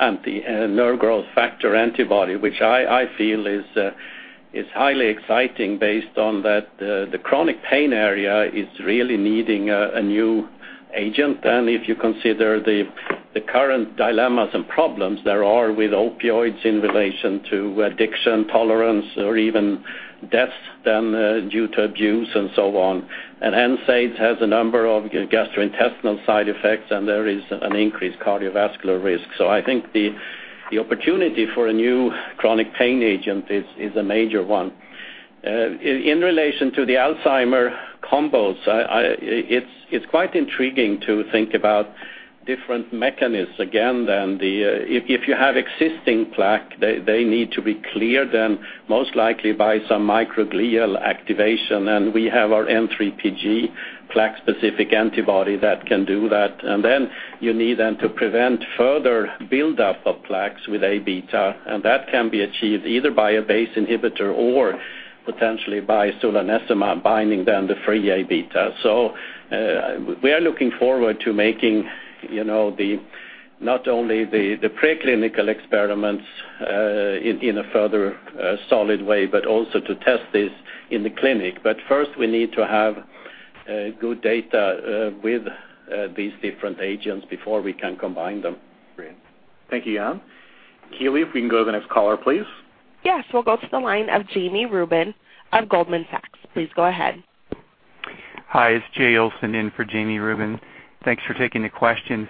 anti-nerve growth factor antibody, which I feel is highly exciting based on that the chronic pain area is really needing a new agent. If you consider the current dilemmas and problems there are with opioids in relation to addiction tolerance or even deaths due to abuse and so on. NSAIDs has a number of gastrointestinal side effects, and there is an increased cardiovascular risk. I think the opportunity for a new chronic pain agent is a major one. In relation to the Alzheimer's combos, it's quite intriguing to think about different mechanisms again, then. If you have existing plaque, they need to be cleared, and most likely by some microglial activation. We have our N3pG plaque-specific antibody that can do that. You need then to prevent further buildup of plaques with Abeta, and that can be achieved either by a BACE inhibitor or potentially by solanezumab binding down the free Abeta. We are looking forward to making not only the pre-clinical experiments in a further solid way, but also to test this in the clinic. First we need to have good data with these different agents before we can combine them. Great. Thank you, Jan. Keeley, if we can go to the next caller, please. Yes. We'll go to the line of Jami Rubin of Goldman Sachs. Please go ahead. Hi, it's Jay Olson in for Jami Rubin. Thanks for taking the questions.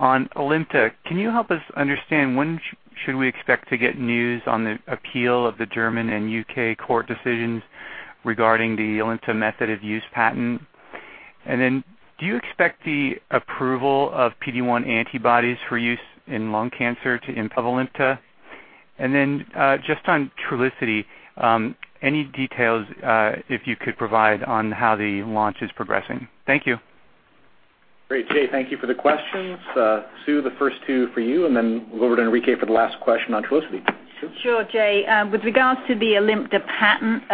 On ALIMTA, can you help us understand when should we expect to get news on the appeal of the German and U.K. court decisions regarding the ALIMTA method of use patent? Then do you expect the approval of PD-1 antibodies for use in lung cancer to impact ALIMTA? Then just on Trulicity, any details if you could provide on how the launch is progressing. Thank you. Great, Jay. Thank you for the questions. Sue, the first two for you, then we'll go over to Enrique for the last question on Trulicity. Sue? Sure, Jay. With regards to the ALIMTA patent,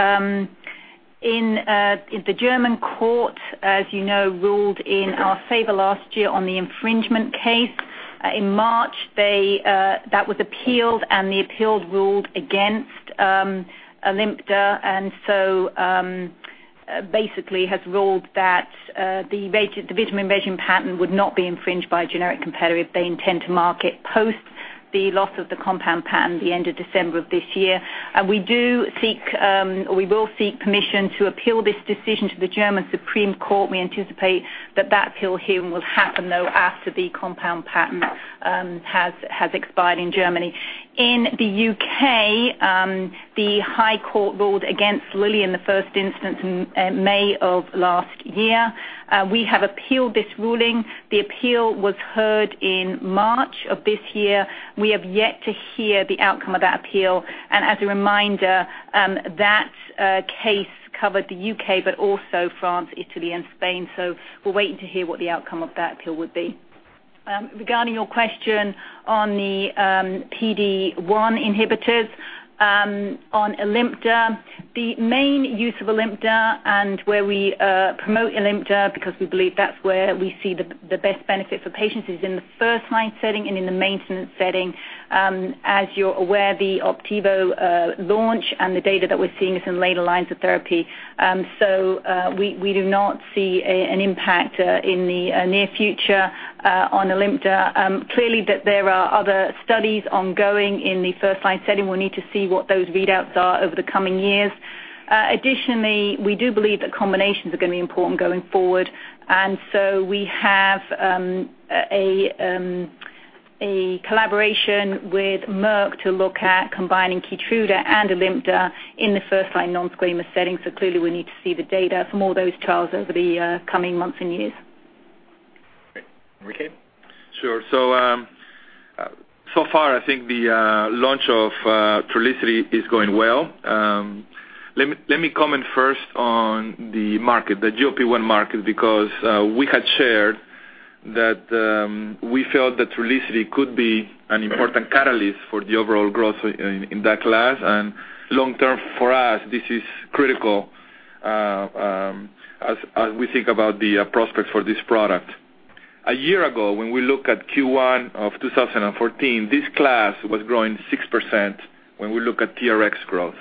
the German court, as you know, ruled in our favor last year on the infringement case. In March, that was appealed. The appeals ruled against ALIMTA. Basically, has ruled that the vitamin regimen patent would not be infringed by a generic competitor if they intend to market post the loss of the compound patent the end of December of this year. We will seek permission to appeal this decision to the German Supreme Court. We anticipate that appeal hearing will happen, though, after the compound patent has expired in Germany. In the U.K., the High Court ruled against Lilly in the first instance in May of last year. We have appealed this ruling. The appeal was heard in March of this year. We have yet to hear the outcome of that appeal. As a reminder, that case covered the U.K., also France, Italy, and Spain. We're waiting to hear what the outcome of that appeal would be. Regarding your question on the PD-1 inhibitors on ALIMTA, the main use of ALIMTA and where we promote ALIMTA, because we believe that's where we see the best benefit for patients, is in the first-line setting and in the maintenance setting. As you're aware, the OPDIVO launch and the data that we're seeing is in later lines of therapy. We do not see an impact in the near future on ALIMTA. Clearly, there are other studies ongoing in the first-line setting. We'll need to see what those readouts are over the coming years. Additionally, we do believe that combinations are going to be important going forward. We have a collaboration with Merck to look at combining KEYTRUDA and ALIMTA in the first-line non-squamous setting. Clearly, we need to see the data from all those trials over the coming months and years. Great. Enrique? Sure. So far, I think the launch of Trulicity is going well. Let me comment first on the GLP-1 market, because we had shared that we felt that Trulicity could be an important catalyst for the overall growth in that class. Long term, for us, this is critical as we think about the prospects for this product. A year ago, when we look at Q1 of 2014, this class was growing 6% when we look at TRX growth.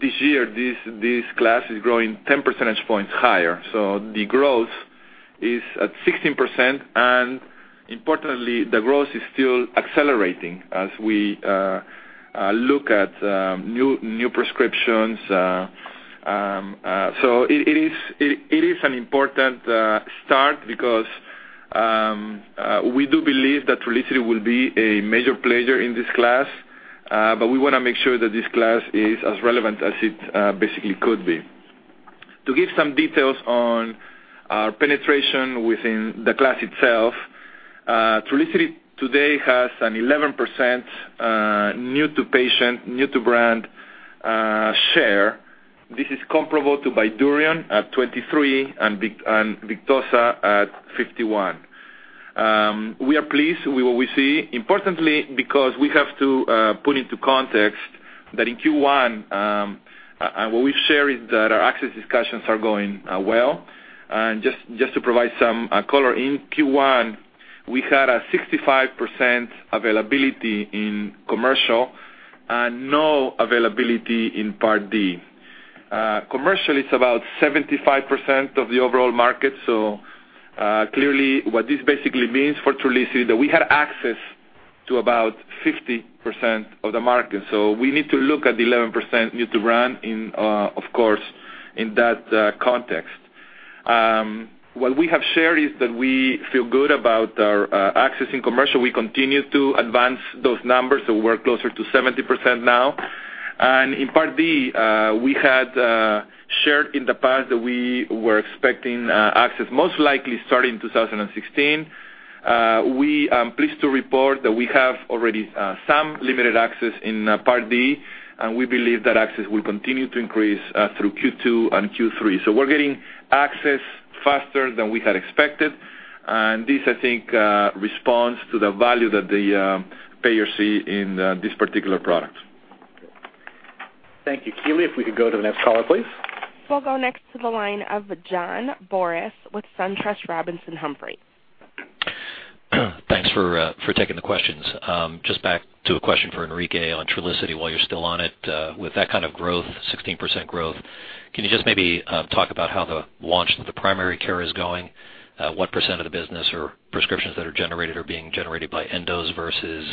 This year, this class is growing 10 percentage points higher. The growth is at 16%, and importantly, the growth is still accelerating as we look at new prescriptions. It is an important start because we do believe that Trulicity will be a major player in this class, but we want to make sure that this class is as relevant as it basically could be. To give some details on our penetration within the class itself, Trulicity today has an 11% new-to-patient, new-to-brand share. This is comparable to Bydureon at 23% and Victoza at 51%. We are pleased with what we see, importantly, because we have to put into context that in Q1, what we've shared is that our access discussions are going well. Just to provide some color, in Q1, we had a 65% availability in commercial and no availability in Part D. Commercial is about 75% of the overall market. Clearly what this basically means for Trulicity is that we had access to about 50% of the market. We need to look at the 11% new to brand, of course, in that context. What we have shared is that we feel good about our access in commercial. We continue to advance those numbers, so we're closer to 70% now. In Part D, we had shared in the past that we were expecting access most likely starting 2016. We are pleased to report that we have already some limited access in Part D, and we believe that access will continue to increase through Q2 and Q3. We're getting access faster than we had expected, and this, I think, responds to the value that the payers see in this particular product. Thank you. Keeley, if we could go to the next caller, please. We'll go next to the line of John Boris with SunTrust Robinson Humphrey. Thanks for taking the questions. Just back to a question for Enrique on Trulicity while you're still on it. With that kind of growth, 16% growth, can you just maybe talk about how the launch into the primary care is going? What percent of the business or prescriptions that are generated are being generated by endos versus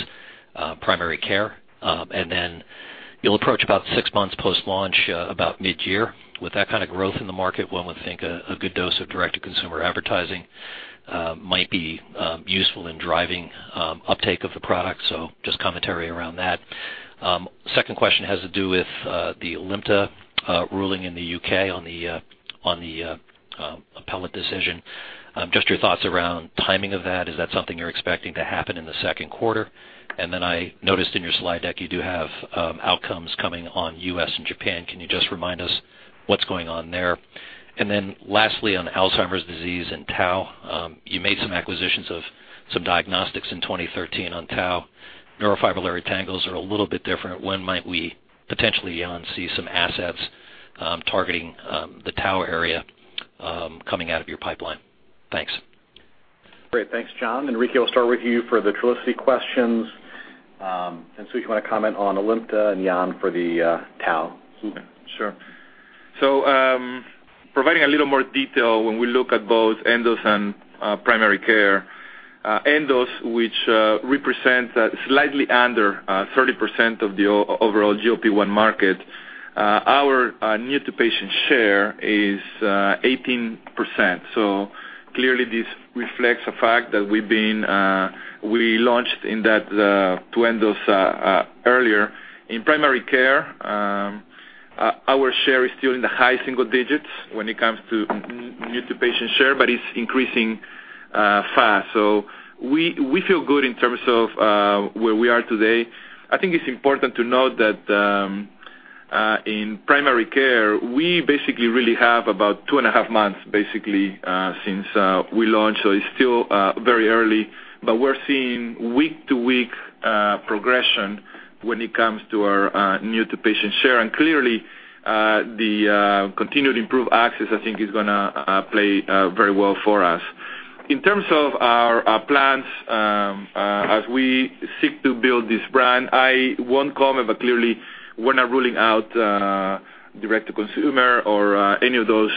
primary care? You'll approach about six months post-launch about mid-year. With that kind of growth in the market, one would think a good dose of direct-to-consumer advertising might be useful in driving uptake of the product. Just commentary around that. Second question has to do with the ALIMTA ruling in the U.K. on the appellate decision. Just your thoughts around timing of that. Is that something you're expecting to happen in the second quarter? I noticed in your slide deck, you do have outcomes coming on U.S. and Japan. Can you just remind us what's going on there? Lastly, on Alzheimer's disease and tau, you made some acquisitions of some diagnostics in 2013 on tau. Neurofibrillary tangles are a little bit different. When might we potentially, Jan, see some assets targeting the tau area coming out of your pipeline? Thanks. Great. Thanks, John. Enrique, we'll start with you for the Trulicity questions. Sue, if you want to comment on ALIMTA, and Jan for the tau. Sure. Providing a little more detail when we look at both endos and primary care. Endos, which represents slightly under 30% of the overall GLP-1 market, our new-to-patient share is 18%. Clearly this reflects the fact that we launched into endos earlier. In primary care, our share is still in the high single digits when it comes to new-to-patient share, but it's increasing fast. We feel good in terms of where we are today. I think it's important to note that in primary care, we basically really have about two and a half months since we launched. It's still very early. We're seeing week-to-week progression when it comes to our new-to-patient share. Clearly, the continued improved access, I think, is going to play very well for us. In terms of our plans, as we seek to build this brand, I won't comment, but clearly we're not ruling out direct-to-consumer or any of those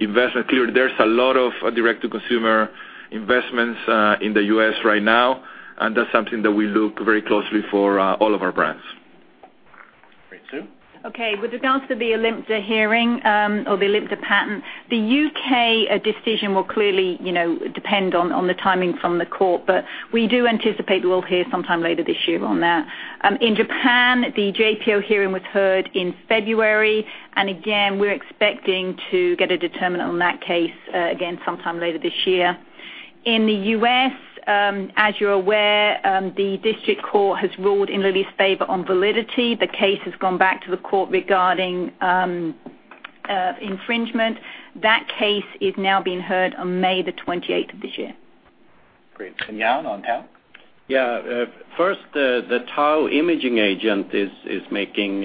investments. Clearly, there's a lot of direct-to-consumer investments in the U.S. right now. That's something that we look very closely for all of our brands. Great. Sue? Okay. With regards to the ALIMTA hearing, or the ALIMTA patent, the U.K. decision will clearly depend on the timing from the court. We do anticipate we'll hear sometime later this year on that. In Japan, the JPO hearing was heard in February. Again, we're expecting to get a determinant on that case, sometime later this year. In the U.S., as you're aware, the district court has ruled in Lilly's favor on validity. The case has gone back to the court regarding infringement. That case is now being heard on May the 28th of this year. Great. Jan on tau? First, the tau imaging agent is making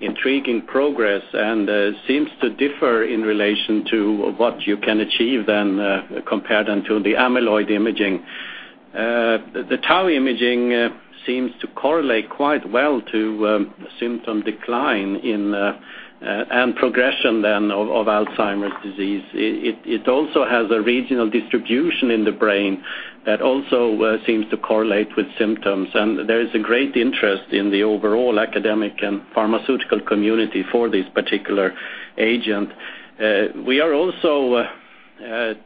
intriguing progress and seems to differ in relation to what you can achieve then compared until the amyloid imaging. The tau imaging seems to correlate quite well to symptom decline and progression then of Alzheimer's disease. It also has a regional distribution in the brain that also seems to correlate with symptoms. There is a great interest in the overall academic and pharmaceutical community for this particular agent. We are also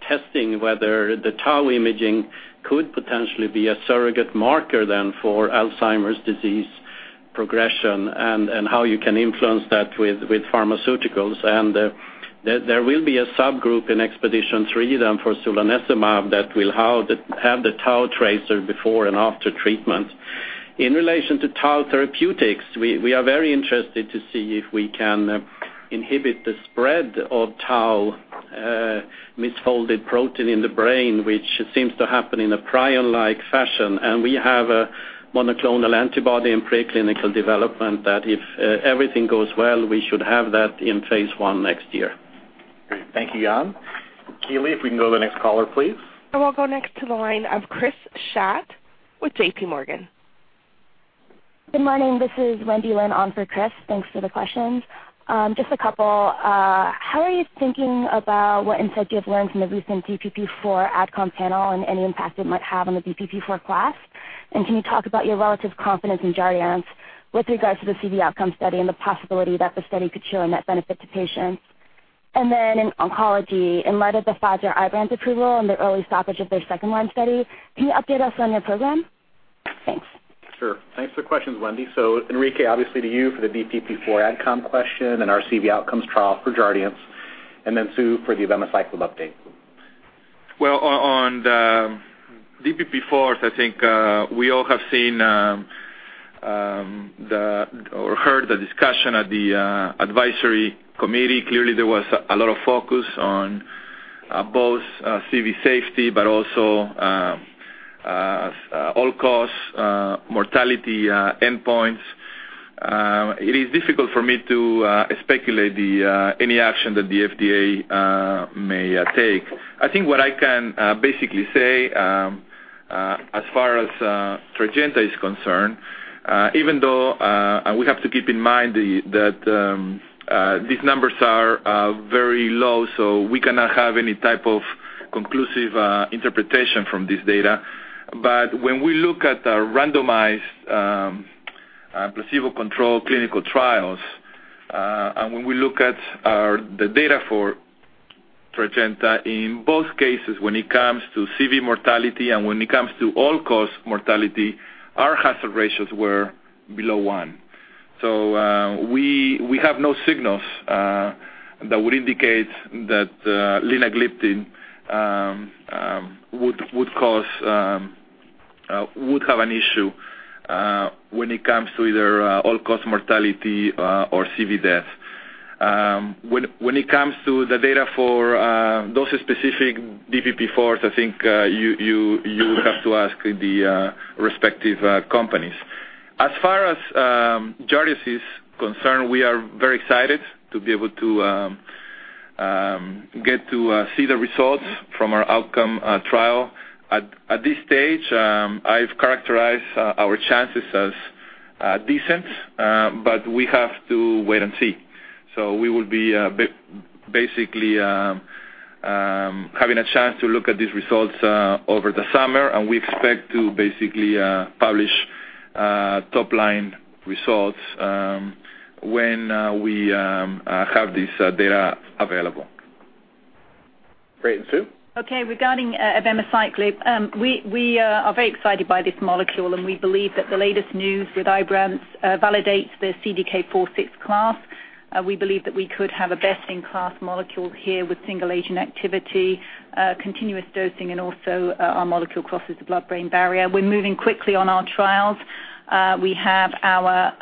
testing whether the tau imaging could potentially be a surrogate marker then for Alzheimer's disease progression and how you can influence that with pharmaceuticals. There will be a subgroup in EXPEDITION3 then for solanezumab that will have the tau tracer before and after treatment. In relation to tau therapeutics, we are very interested to see if we can inhibit the spread of tau misfolded protein in the brain, which seems to happen in a prion-like fashion. We have a monoclonal antibody in preclinical development that if everything goes well, we should have that in phase I next year. Great. Thank you, Jan. Keeley, if we can go to the next caller, please. We'll go next to the line of Chris Schott with JP Morgan. Good morning. This is Wendy Lin on for Chris. Thanks for the questions. Just a couple. How are you thinking about what insight you have learned from the recent DPP4 AdCom panel and any impact it might have on the DPP4 class? Can you talk about your relative confidence in Jardiance with regards to the CV outcome study and the possibility that the study could show a net benefit to patients? In oncology, in light of the Pfizer Ibrance approval and the early stoppage of their 2 line study, can you update us on your program? Thanks. Sure. Thanks for the questions, Wendy. Enrique, obviously to you for the DPP4 AdCom question and our CV outcomes trial for Jardiance, and then Sue for the abemaciclib update. On the DPP4, I think we all have seen or heard the discussion at the advisory committee. Clearly, there was a lot of focus on both CV safety, but also all-cause mortality endpoints. It is difficult for me to speculate any action that the FDA may take. What I can basically say, as far as Tradjenta is concerned, even though we have to keep in mind that these numbers are very low, so we cannot have any type of conclusive interpretation from this data. When we look at the randomized placebo control clinical trials, and when we look at the data for Tradjenta, in both cases, when it comes to CV mortality and when it comes to all-cause mortality, our hazard ratios were below one. We have no signals that would indicate that linagliptin would have an issue when it comes to either all-cause mortality or CV death. When it comes to the data for those specific DPP4s, you would have to ask the respective companies. As far as Jardiance is concerned, we are very excited to be able to get to see the results from our outcome trial. At this stage, I've characterized our chances as decent, but we have to wait and see. We will be basically having a chance to look at these results over the summer, and we expect to basically publish top-line results when we have this data available. Great. Sue? Regarding abemaciclib, we are very excited by this molecule, and we believe that the latest news with Ibrance validates the CDK 4/6 class We believe that we could have a best-in-class molecule here with single agent activity, continuous dosing, and also our molecule crosses the blood-brain barrier. We're moving quickly on our trials. We have our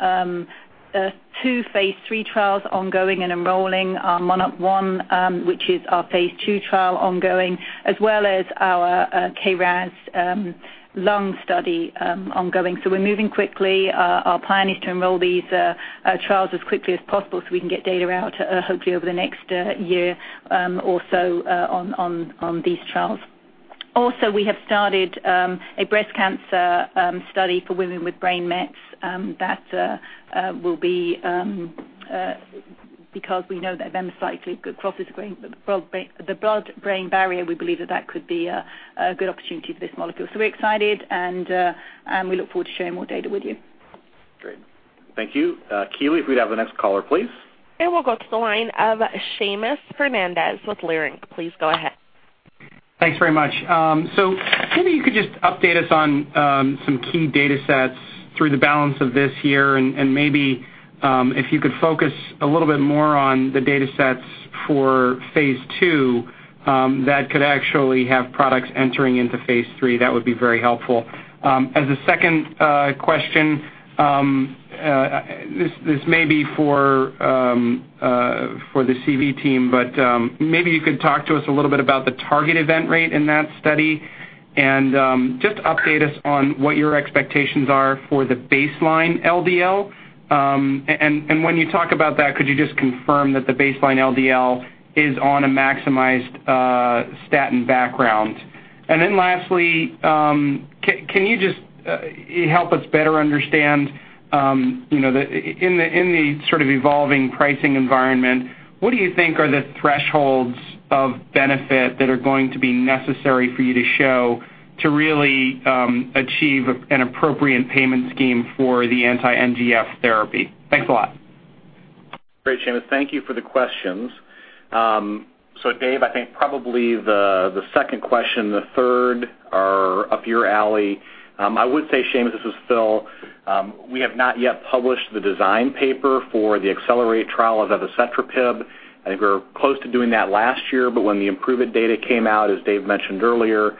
two phase III trials ongoing and enrolling our MONARCH 1, which is our phase II trial ongoing, as well as our KRAS lung study ongoing. We're moving quickly. Our plan is to enroll these trials as quickly as possible so we can get data out, hopefully, over the next year or so on these trials. We have started a breast cancer study for women with brain mets. Because we know that abemaciclib crosses the blood-brain barrier, we believe that that could be a good opportunity for this molecule. We're excited, and we look forward to sharing more data with you. Great. Thank you. Keeley, if we'd have the next caller, please. We'll go to the line of Seamus Fernandez with Leerink. Please go ahead. Thanks very much. Maybe you could just update us on some key data sets through the balance of this year, and maybe if you could focus a little bit more on the data sets for phase II that could actually have products entering into phase III. That would be very helpful. A second question, this may be for the CV team, but maybe you could talk to us a little bit about the target event rate in that study and just update us on what your expectations are for the baseline LDL. When you talk about that, could you just confirm that the baseline LDL is on a maximized statin background? Lastly, can you just help us better understand, in the sort of evolving pricing environment, what do you think are the thresholds of benefit that are going to be necessary for you to show to really achieve an appropriate payment scheme for the anti-NGF therapy? Thanks a lot. Great, Seamus. Thank you for the questions. Dave, I think probably the second question, the third are up your alley. I would say, Seamus, this is Phil. We have not yet published the design paper for the ACCELERATE trial of evacetrapib. I think we were close to doing that last year, but when the IMPROVE-IT data came out, as Dave mentioned earlier,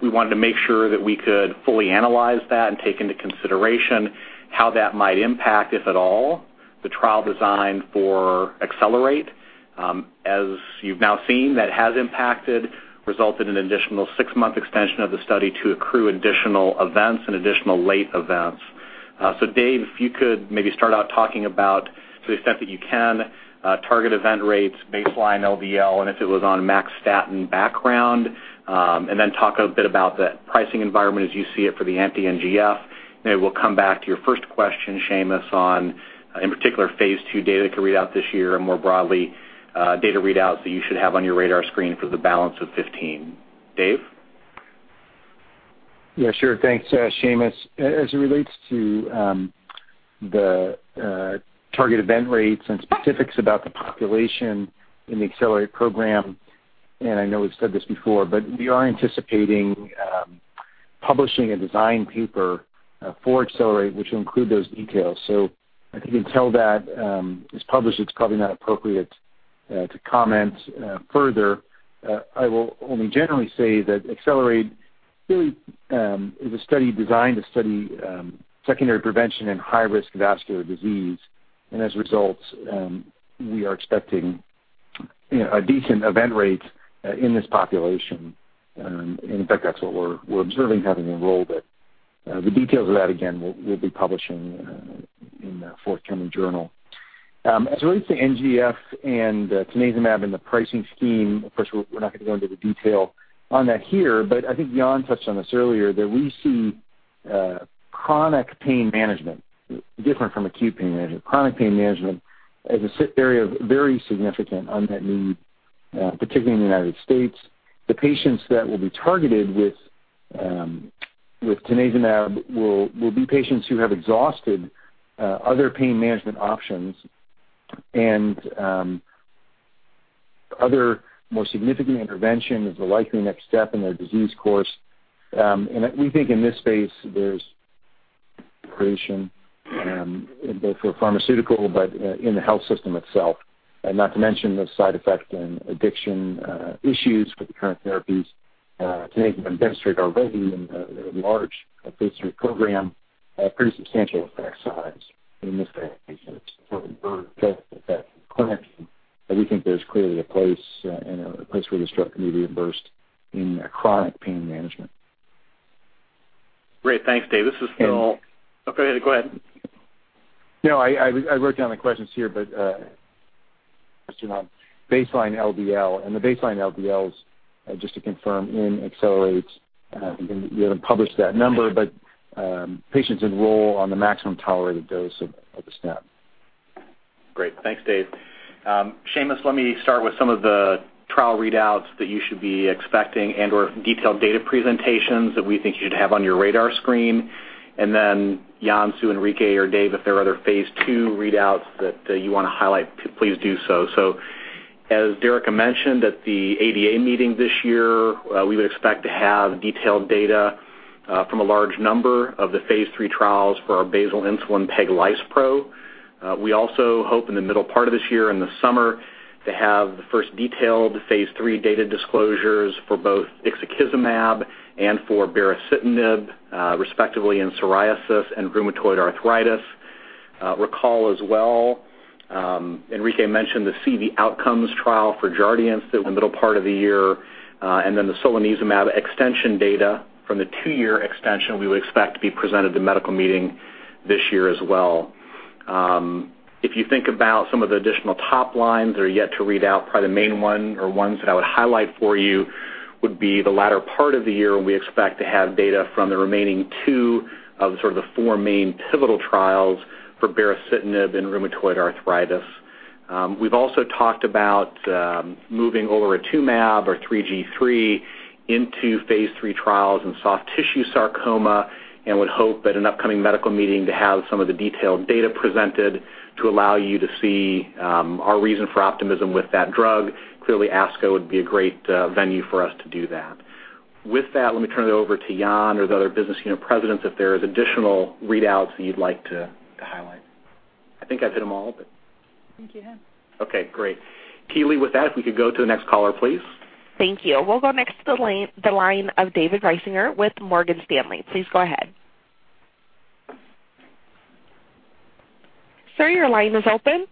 we wanted to make sure that we could fully analyze that and take into consideration how that might impact, if at all, the trial design for ACCELERATE. As you've now seen, that has impacted, resulted in an additional six-month extension of the study to accrue additional events and additional late events. Dave, if you could maybe start out talking about, to the extent that you can, target event rates, baseline LDL, and if it was on max statin background. Talk a bit about the pricing environment as you see it for the anti-NGF. We'll come back to your first question, Seamus, on, in particular, phase II data can read out this year and more broadly, data readouts that you should have on your radar screen for the balance of 2015. Dave? Yeah, sure. Thanks, Seamus. As it relates to the target event rates and specifics about the population in the ACCELERATE program, I know we've said this before, we are anticipating publishing a design paper for ACCELERATE, which will include those details. I think until that is published, it's probably not appropriate to comment further. I will only generally say that ACCELERATE really is a study designed to study secondary prevention and high-risk vascular disease. As a result, we are expecting a decent event rate in this population. In fact, that's what we're observing having enrolled. The details of that, again, we'll be publishing in a forthcoming journal. I think Jan touched on this earlier, that we see chronic pain management, different from acute pain management. Chronic pain management as a very significant unmet need, particularly in the U.S. The patients that will be targeted with tanezumab will be patients who have exhausted other pain management options and other more significant intervention is the likely next step in their disease course. We think in this space, there's creation both for pharmaceutical, but in the health system itself. Not to mention the side effect and addiction issues with the current therapies. Tanezumab demonstrate already in the large phase III program a pretty substantial effect size in this patient population for that clinic. We think there's clearly a place where this drug can be reimbursed in chronic pain management. Great. Thanks, Dave. This is Phil. And- Oh, go ahead. I wrote down the questions here, a question on baseline LDL. The baseline LDLs, just to confirm, in ACCELERATE, we haven't published that number, patients enroll on the maximum tolerated dose of the statin. Great. Thanks, Dave. Seamus, let me start with some of the trial readouts that you should be expecting and/or detailed data presentations that we think you should have on your radar screen. Jan, Sue, Enrique, or Dave, if there are other phase II readouts that you want to highlight, please do so. As Derica mentioned at the ADA meeting this year, we would expect to have detailed data from a large number of the phase III trials for our basal insulin peglispro. We also hope in the middle part of this year, in the summer, to have the first detailed phase III data disclosures for both ixekizumab and for baricitinib, respectively in psoriasis and rheumatoid arthritis. Recall as well, Enrique mentioned the CV outcomes trial for Jardiance in the middle part of the year, the solanezumab extension data from the two-year extension, we would expect to be presented at the medical meeting this year as well. If you think about some of the additional top lines that are yet to read out, probably the main one or ones that I would highlight for you would be the latter part of the year when we expect to have data from the remaining two of sort of the four main pivotal trials for baricitinib in rheumatoid arthritis. We've also talked about moving olaratumab or IMC-3G3 into phase III trials in soft tissue sarcoma and would hope at an upcoming medical meeting to have some of the detailed data presented to allow you to see our reason for optimism with that drug. Clearly, ASCO would be a great venue for us to do that. With that, let me turn it over to Jan or the other business unit presidents if there is additional readouts that you'd like to highlight. I think I've hit them all. I think you have. Okay, great. Keeley, with that, if we could go to the next caller, please. Thank you. We will go next to the line of David Risinger with Morgan Stanley. Please go ahead. Sir, your line is open.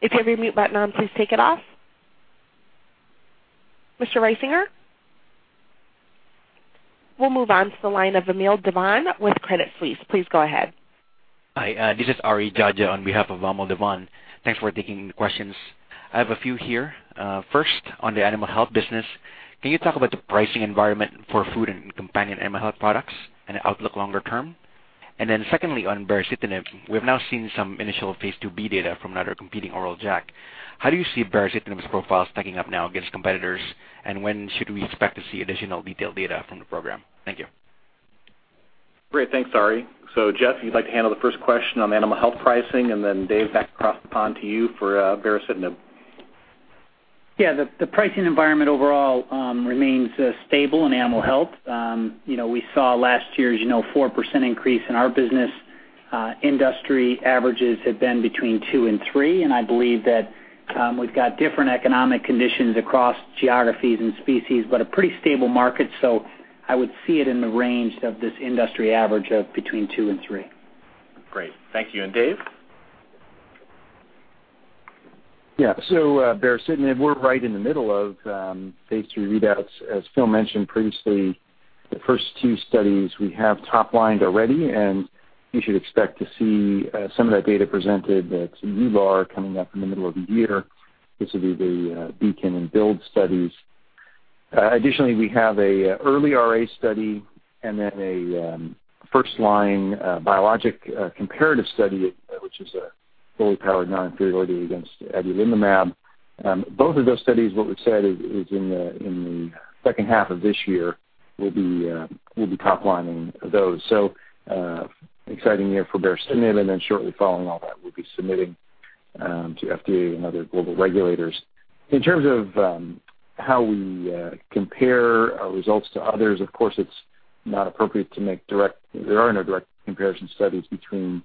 If you have your mute button on, please take it off. Mr. Risinger? We will move on to the line of Vamil Divan with Credit Suisse. Please go ahead. Hi. This is [Ari Jaja] on behalf of Vamil Divan. Thanks for taking the questions. I have a few here. First, on the animal health business, can you talk about the pricing environment for food and companion animal health products and outlook longer term? Secondly, on baricitinib, we have now seen some initial phase II-B data from another competing oral JAK. How do you see baricitinib's profile stacking up now against competitors, and when should we expect to see additional detailed data from the program? Thank you. Great. Thanks, Ari. Jeff, you'd like to handle the first question on animal health pricing, and then Dave, back across the pond to you for baricitinib. The pricing environment overall remains stable in animal health. We saw last year, as you know, 4% increase in our business. Industry averages have been between 2% and 3%, and I believe that we've got different economic conditions across geographies and species, but a pretty stable market. I would see it in the range of this industry average of between 2% and 3%. Great. Thank you. Dave? Baricitinib, we're right in the middle of phase III readouts. As Phil mentioned previously, the first two studies we have top-lined already, and you should expect to see some of that data presented at some EULAR coming up in the middle of the year. This will be the BEACON and BUILD studies. Additionally, we have an early RA study and then a first-line biologic comparative study, which is a fully powered non-inferiority against adalimumab. Both of those studies, what we've said, is in the second half of this year, we'll be top-lining those. Exciting year for baricitinib, and then shortly following all that, we'll be submitting to FDA and other global regulators. In terms of how we compare our results to others, of course, it's not appropriate to make there are no direct comparison studies between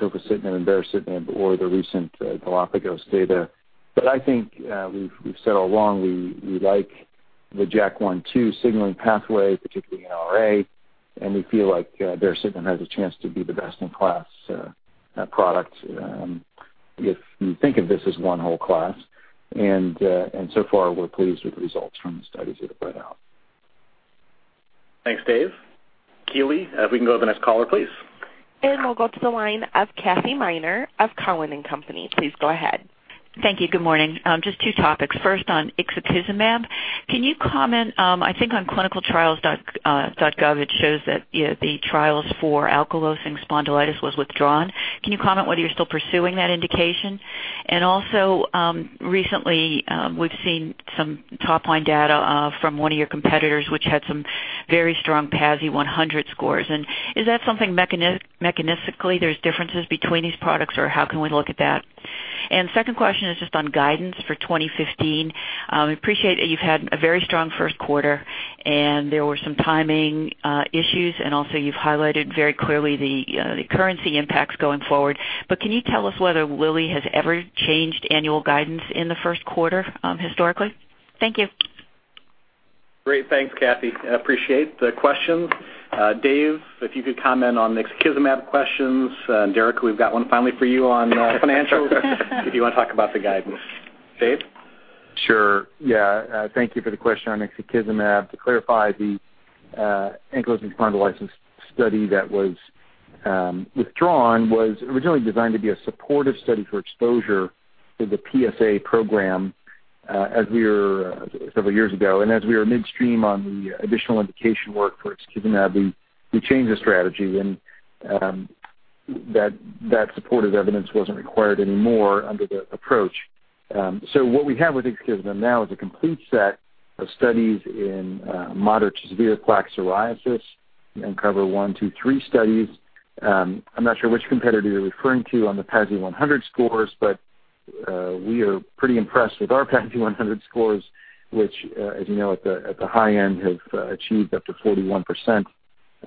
tofacitinib and baricitinib or the recent Galapagos data. We've said all along, we like the JAK1/2 signaling pathway, particularly in RA, and we feel like baricitinib has a chance to be the best-in-class product, if you think of this as one whole class. So far, we're pleased with the results from the studies that have read out. Thanks, Dave. Keeley, if we can go to the next caller, please. We'll go to the line of Kathy Miner of Cowen and Company. Please go ahead. Thank you. Good morning. Just two topics. First, on ixekizumab, can you comment, I think on clinicaltrials.gov, it shows that the trials for ankylosing spondylitis was withdrawn. Can you comment whether you're still pursuing that indication? Also, recently, we've seen some top-line data from one of your competitors, which had some very strong PASI 100 scores. Is that something mechanistically there's differences between these products, or how can we look at that? Second question is just on guidance for 2015. We appreciate that you've had a very strong first quarter, and there were some timing issues, also you've highlighted very clearly the currency impacts going forward. Can you tell us whether Lilly has ever changed annual guidance in the first quarter historically? Thank you. Great. Thanks, Kathy. I appreciate the questions. Dave, if you could comment on ixekizumab questions, and Derica, we've got one finally for you on financials, if you want to talk about the guidance. Dave? Sure. Yeah. Thank you for the question on ixekizumab. To clarify, the ankylosing spondylitis study that was withdrawn was originally designed to be a supportive study for exposure to the PSA program several years ago. As we were midstream on the additional indication work for ixekizumab, we changed the strategy, and that supportive evidence wasn't required anymore under the approach. What we have with ixekizumab now is a complete set of studies in moderate to severe plaque psoriasis in UNCOVER 1, 2, 3 studies. I'm not sure which competitor you're referring to on the PASI 100 scores, but we are pretty impressed with our PASI 100 scores, which, as you know, at the high end, have achieved up to 41%.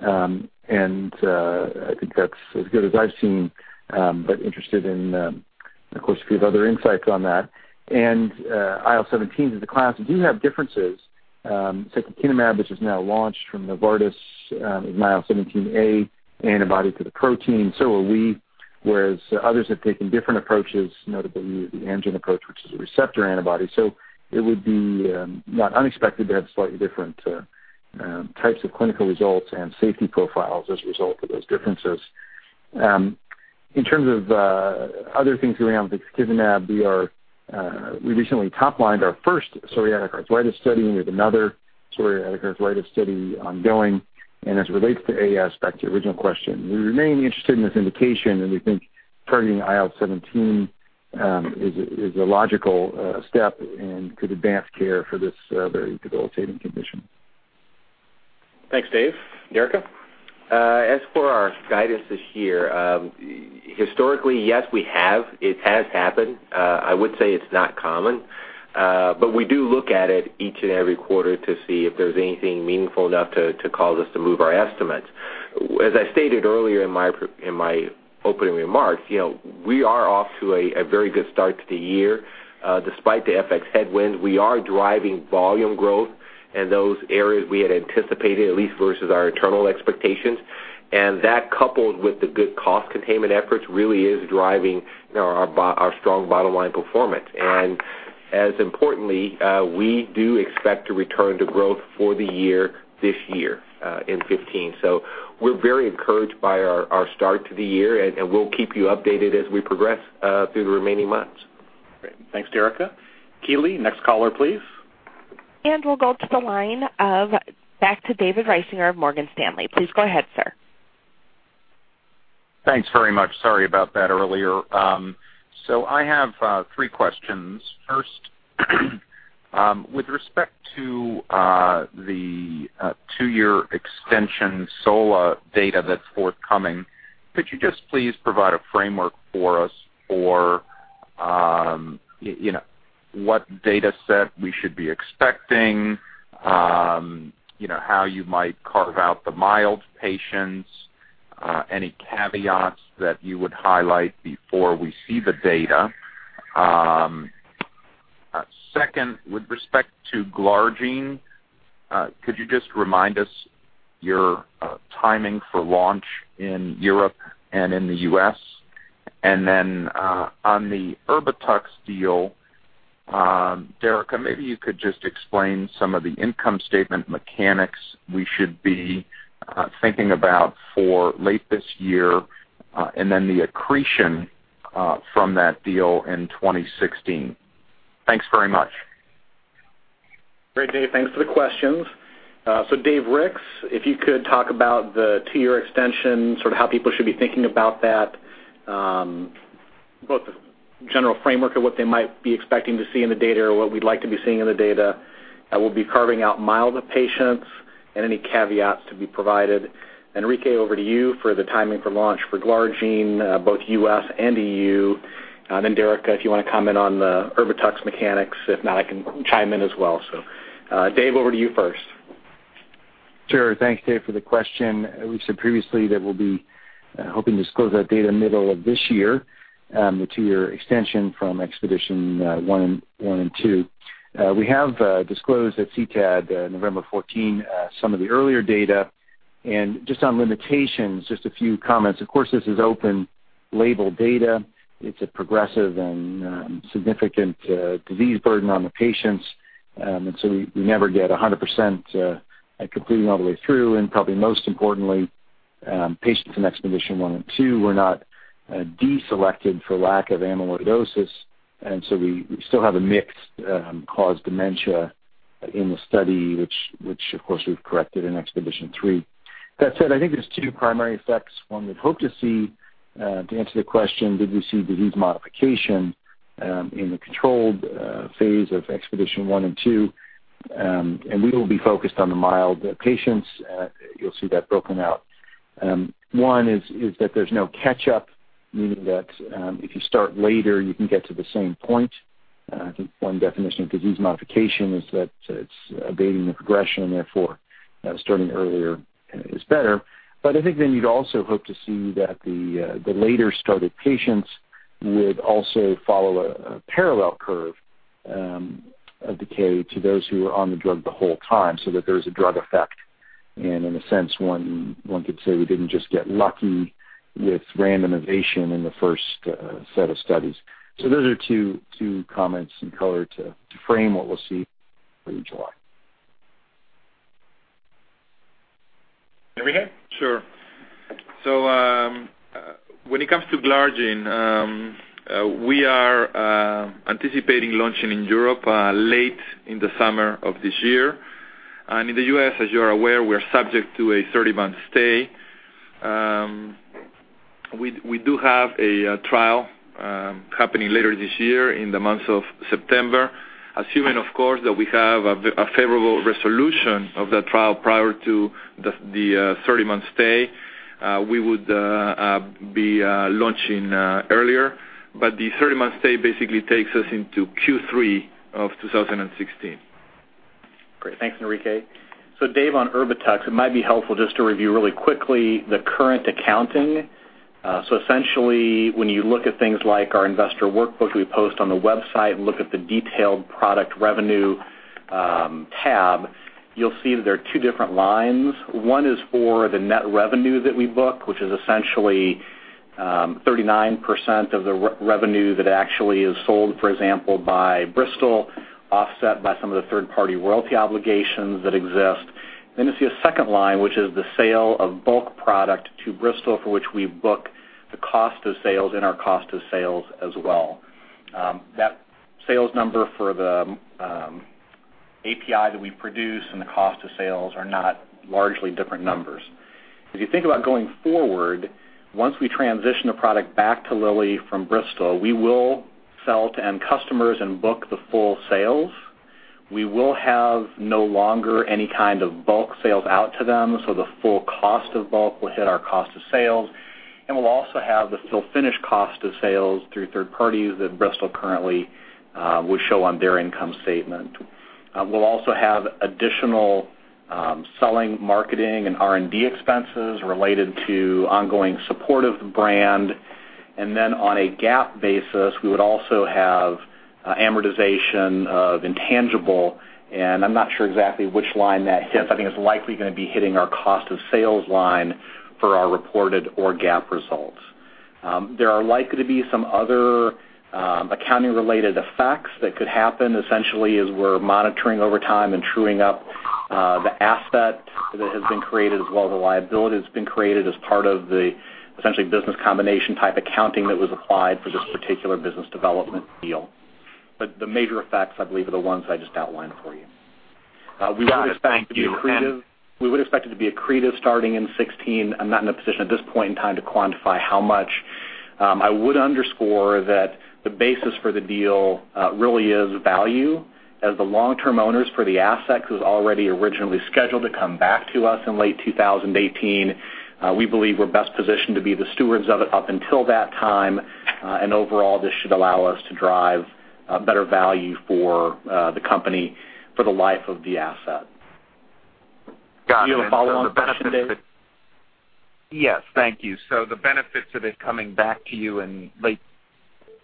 I think that's as good as I've seen, but interested in, of course, if you have other insights on that. IL-17 is a class that do have differences. Secukinumab, which is now launched from Novartis, an IL-17A antibody to the protein. Are we, whereas others have taken different approaches, notably the Amgen approach, which is a receptor antibody. It would be not unexpected to have slightly different types of clinical results and safety profiles as a result of those differences. In terms of other things going on with ixekizumab, we recently top-lined our first psoriatic arthritis study, and we have another psoriatic arthritis study ongoing. As it relates to AS, back to your original question, we remain interested in this indication, and we think targeting IL-17 is a logical step and could advance care for this very debilitating condition. Thanks, Dave. Derica? As for our guidance this year, historically, yes, we have. It has happened. I would say it's not common. We do look at it each and every quarter to see if there's anything meaningful enough to cause us to move our estimates. As I stated earlier in my opening remarks, we are off to a very good start to the year. Despite the FX headwinds, we are driving volume growth in those areas we had anticipated, at least versus our internal expectations. That, coupled with the good cost containment efforts, really is driving our strong bottom-line performance. As importantly, we do expect to return to growth for the year, this year, in 2015. We're very encouraged by our start to the year, and we'll keep you updated as we progress through the remaining months. Great. Thanks, Derica. Keeley, next caller, please. We'll go to the line of, back to David Risinger of Morgan Stanley. Please go ahead, sir. Thanks very much. Sorry about that earlier. I have three questions. First, with respect to the two-year extension SOLA data that's forthcoming, could you just please provide a framework for us for what data set we should be expecting, how you might carve out the mild patients, any caveats that you would highlight before we see the data? Second, with respect to glargine, could you just remind us your timing for launch in Europe and in the U.S.? Then on the Erbitux deal, Derica, maybe you could just explain some of the income statement mechanics we should be thinking about for late this year, and then the accretion from that deal in 2016. Thanks very much. Great, Dave. Thanks for the questions. Dave Ricks, if you could talk about the two-year extension, sort of how people should be thinking about that. Both the general framework of what they might be expecting to see in the data or what we'd like to be seeing in the data, we'll be carving out milder patients and any caveats to be provided. Enrique, over to you for the timing for launch for Glargine, both U.S. and E.U. Derica, if you want to comment on the Erbitux mechanics. If not, I can chime in as well. Dave, over to you first. Sure. Thanks, Dave, for the question. We said previously that we'll be hoping to disclose that data middle of this year, the two-year extension from EXPEDITION1 and EXPEDITION 2. We have disclosed at CTAD November 14 some of the earlier data. Just on limitations, just a few comments. Of course, this is open label data. It's a progressive and significant disease burden on the patients, and so we never get 100% completing all the way through. Probably most importantly, patients in EXPEDITION1 and EXPEDITION 2 were not deselected for lack of amyloidosis, and so we still have a mixed cause dementia in the study, which of course we've corrected in EXPEDITION 3. That said, I think there's two primary effects one would hope to see to answer the question, did we see disease modification in the controlled phase of EXPEDITION1 and EXPEDITION 2? We will be focused on the milder patients. You'll see that broken out. One is that there's no catch-up, meaning that if you start later, you can get to the same point. I think one definition of disease modification is that it's abating the progression, and therefore starting earlier is better. I think then you'd also hope to see that the later started patients would also follow a parallel curve of decay to those who were on the drug the whole time so that there's a drug effect. In a sense, one could say we didn't just get lucky with randomization in the first set of studies. Those are two comments and color to frame what we'll see in July. Enrique? Sure. When it comes to Glargine, we are anticipating launching in Europe late in the summer of this year. In the U.S., as you are aware, we're subject to a 30-month stay. We do have a trial happening later this year in the month of September. Assuming, of course, that we have a favorable resolution of that trial prior to the 30-month stay, we would be launching earlier. The 30-month stay basically takes us into Q3 of 2016. Great. Thanks, Enrique. Dave, on Erbitux, it might be helpful just to review really quickly the current accounting. Essentially, when you look at things like our investor workbook we post on the website and look at the detailed product revenue tab, you will see that there are two different lines. One is for the net revenue that we book, which is essentially 39% of the revenue that actually is sold, for example, by Bristol, offset by some of the third-party royalty obligations that exist. You see a second line, which is the sale of bulk product to Bristol, for which we book the cost of sales and our cost of sales as well. That sales number for the API that we produce and the cost of sales are not largely different numbers. If you think about going forward, once we transition a product back to Lilly from Bristol, we will sell to end customers and book the full sales. We will have no longer any kind of bulk sales out to them, so the full cost of bulk will hit our cost of sales. We'll also have the still finished cost of sales through third parties that Bristol currently would show on their income statement. We'll also have additional selling, marketing, and R&D expenses related to ongoing support of the brand. On a GAAP basis, we would also have amortization of intangible, and I'm not sure exactly which line that hits. I think it's likely going to be hitting our cost of sales line for our reported or GAAP results. There are likely to be some other accounting-related effects that could happen essentially as we're monitoring over time and truing up the asset that has been created as well as the liability that's been created as part of the essentially business combination type accounting that was applied for this particular business development deal. The major effects, I believe, are the ones that I just outlined for you. Got it. Thank you. We would expect it to be accretive starting in 2016. I am not in a position at this point in time to quantify how much. I would underscore that the basis for the deal really is value as the long-term owners for the asset was already originally scheduled to come back to us in late 2018. We believe we are best positioned to be the stewards of it up until that time. Overall, this should allow us to drive better value for the company for the life of the asset. Got it. Do you have a follow on the question, Dave? Thank you. The benefits of it coming back to you in,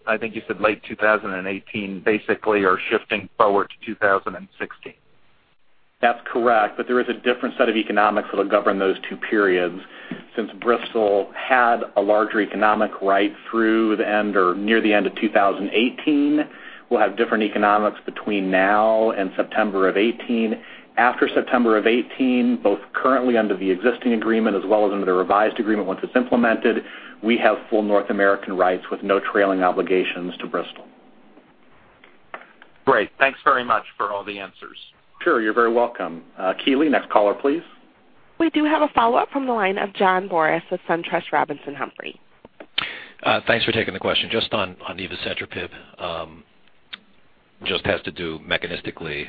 I think you said late 2018, basically are shifting forward to 2016. That's correct, there is a different set of economics that'll govern those two periods, since Bristol had a larger economic right through the end or near the end of 2018. We'll have different economics between now and September of 2018. After September of 2018, both currently under the existing agreement as well as under the revised agreement once it's implemented, we have full North American rights with no trailing obligations to Bristol. Great. Thanks very much for all the answers. Sure. You're very welcome. Keeley, next caller, please. We do have a follow-up from the line of John Boris with SunTrust Robinson Humphrey. Thanks for taking the question. Just on evacetrapib, just has to do mechanistically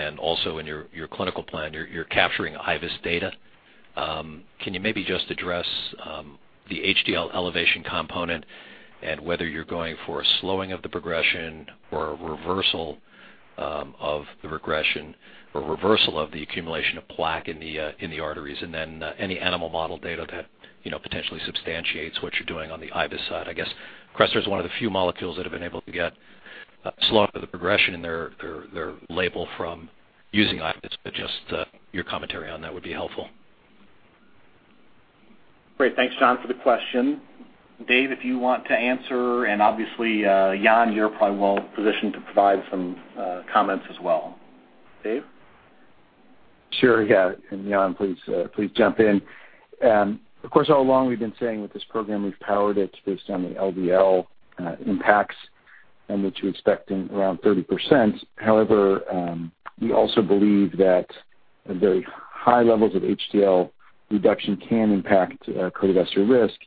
and also in your clinical plan, you're capturing IVUS data. Can you maybe just address the HDL elevation component and whether you're going for a slowing of the progression or a reversal of the regression or reversal of the accumulation of plaque in the arteries? Then any animal model data that potentially substantiates what you're doing on the IVUS side. I guess, CRESTOR is one of the few molecules that have been able to get slowing of the progression in their label from using IVUS, but just your commentary on that would be helpful. Great. Thanks, John, for the question. Dave, if you want to answer, obviously, Jan, you're probably well positioned to provide some comments as well. Dave? Sure, yeah. Jan, please jump in. Of course, all along we've been saying with this program, we've powered it based on the LDL impacts and that you're expecting around 30%. However, we also believe that very high levels of HDL reduction can impact cardiovascular risk.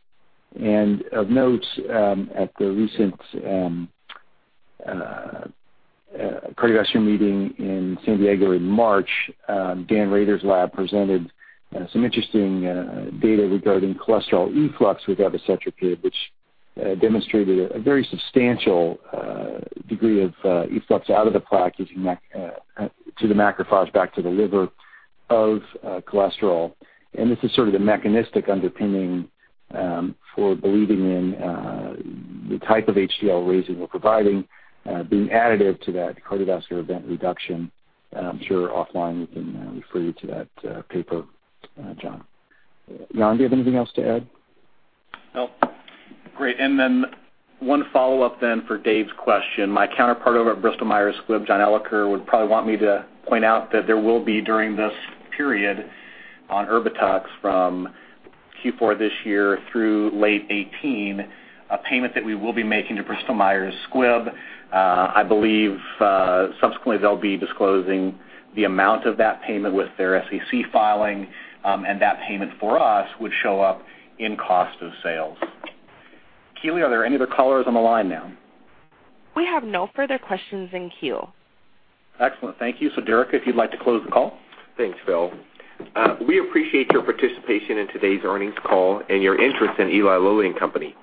Of note, at the recent cardiovascular meeting in San Diego in March, Daniel Rader's lab presented some interesting data regarding cholesterol efflux with evacetrapib, which demonstrated a very substantial degree of efflux out of the plaque to the macrophage back to the liver of cholesterol. This is sort of the mechanistic underpinning for believing in the type of HDL raising we're providing being additive to that cardiovascular event reduction. I'm sure offline we can refer you to that paper, John. Jan, do you have anything else to add? No. Great. One follow-up then for Dave's question. My counterpart over at Bristol Myers Squibb, John Elicker, would probably want me to point out that there will be, during this period on Erbitux from Q4 this year through late 2018, a payment that we will be making to Bristol Myers Squibb. I believe subsequently they'll be disclosing the amount of that payment with their SEC filing. That payment for us would show up in cost of sales. Keeley, are there any other callers on the line now? We have no further questions in queue. Excellent. Thank you. Derica, if you'd like to close the call. Thanks, Phil. We appreciate your participation in today's earnings call and your interest in Eli Lilly and Company.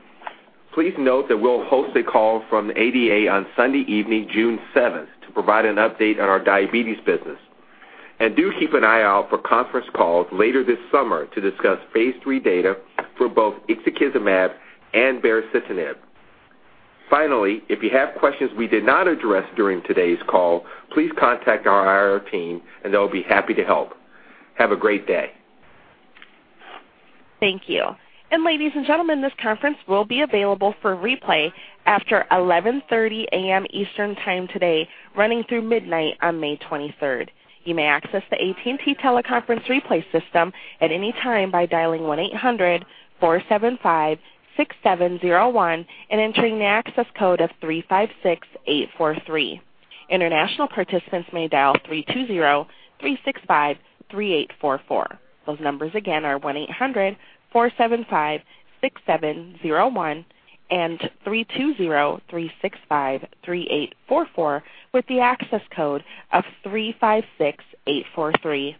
Please note that we'll host a call from the ADA on Sunday evening, June 7th, to provide an update on our diabetes business. Do keep an eye out for conference calls later this summer to discuss phase III data for both ixekizumab and baricitinib. Finally, if you have questions we did not address during today's call, please contact our IR team and they'll be happy to help. Have a great day. Thank you. Ladies and gentlemen, this conference will be available for replay after 11:30 AM Eastern time today running through midnight on May 23rd. You may access the AT&T teleconference replay system at any time by dialing 1-800-475-6701 and entering the access code of 356843. International participants may dial 320-365-3844. Those numbers again are 1-800-475-6701 and 320-365-3844 with the access code of 356843.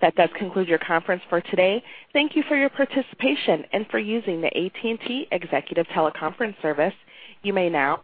That does conclude your conference for today. Thank you for your participation and for using the AT&T Executive Teleconference Service. You may now.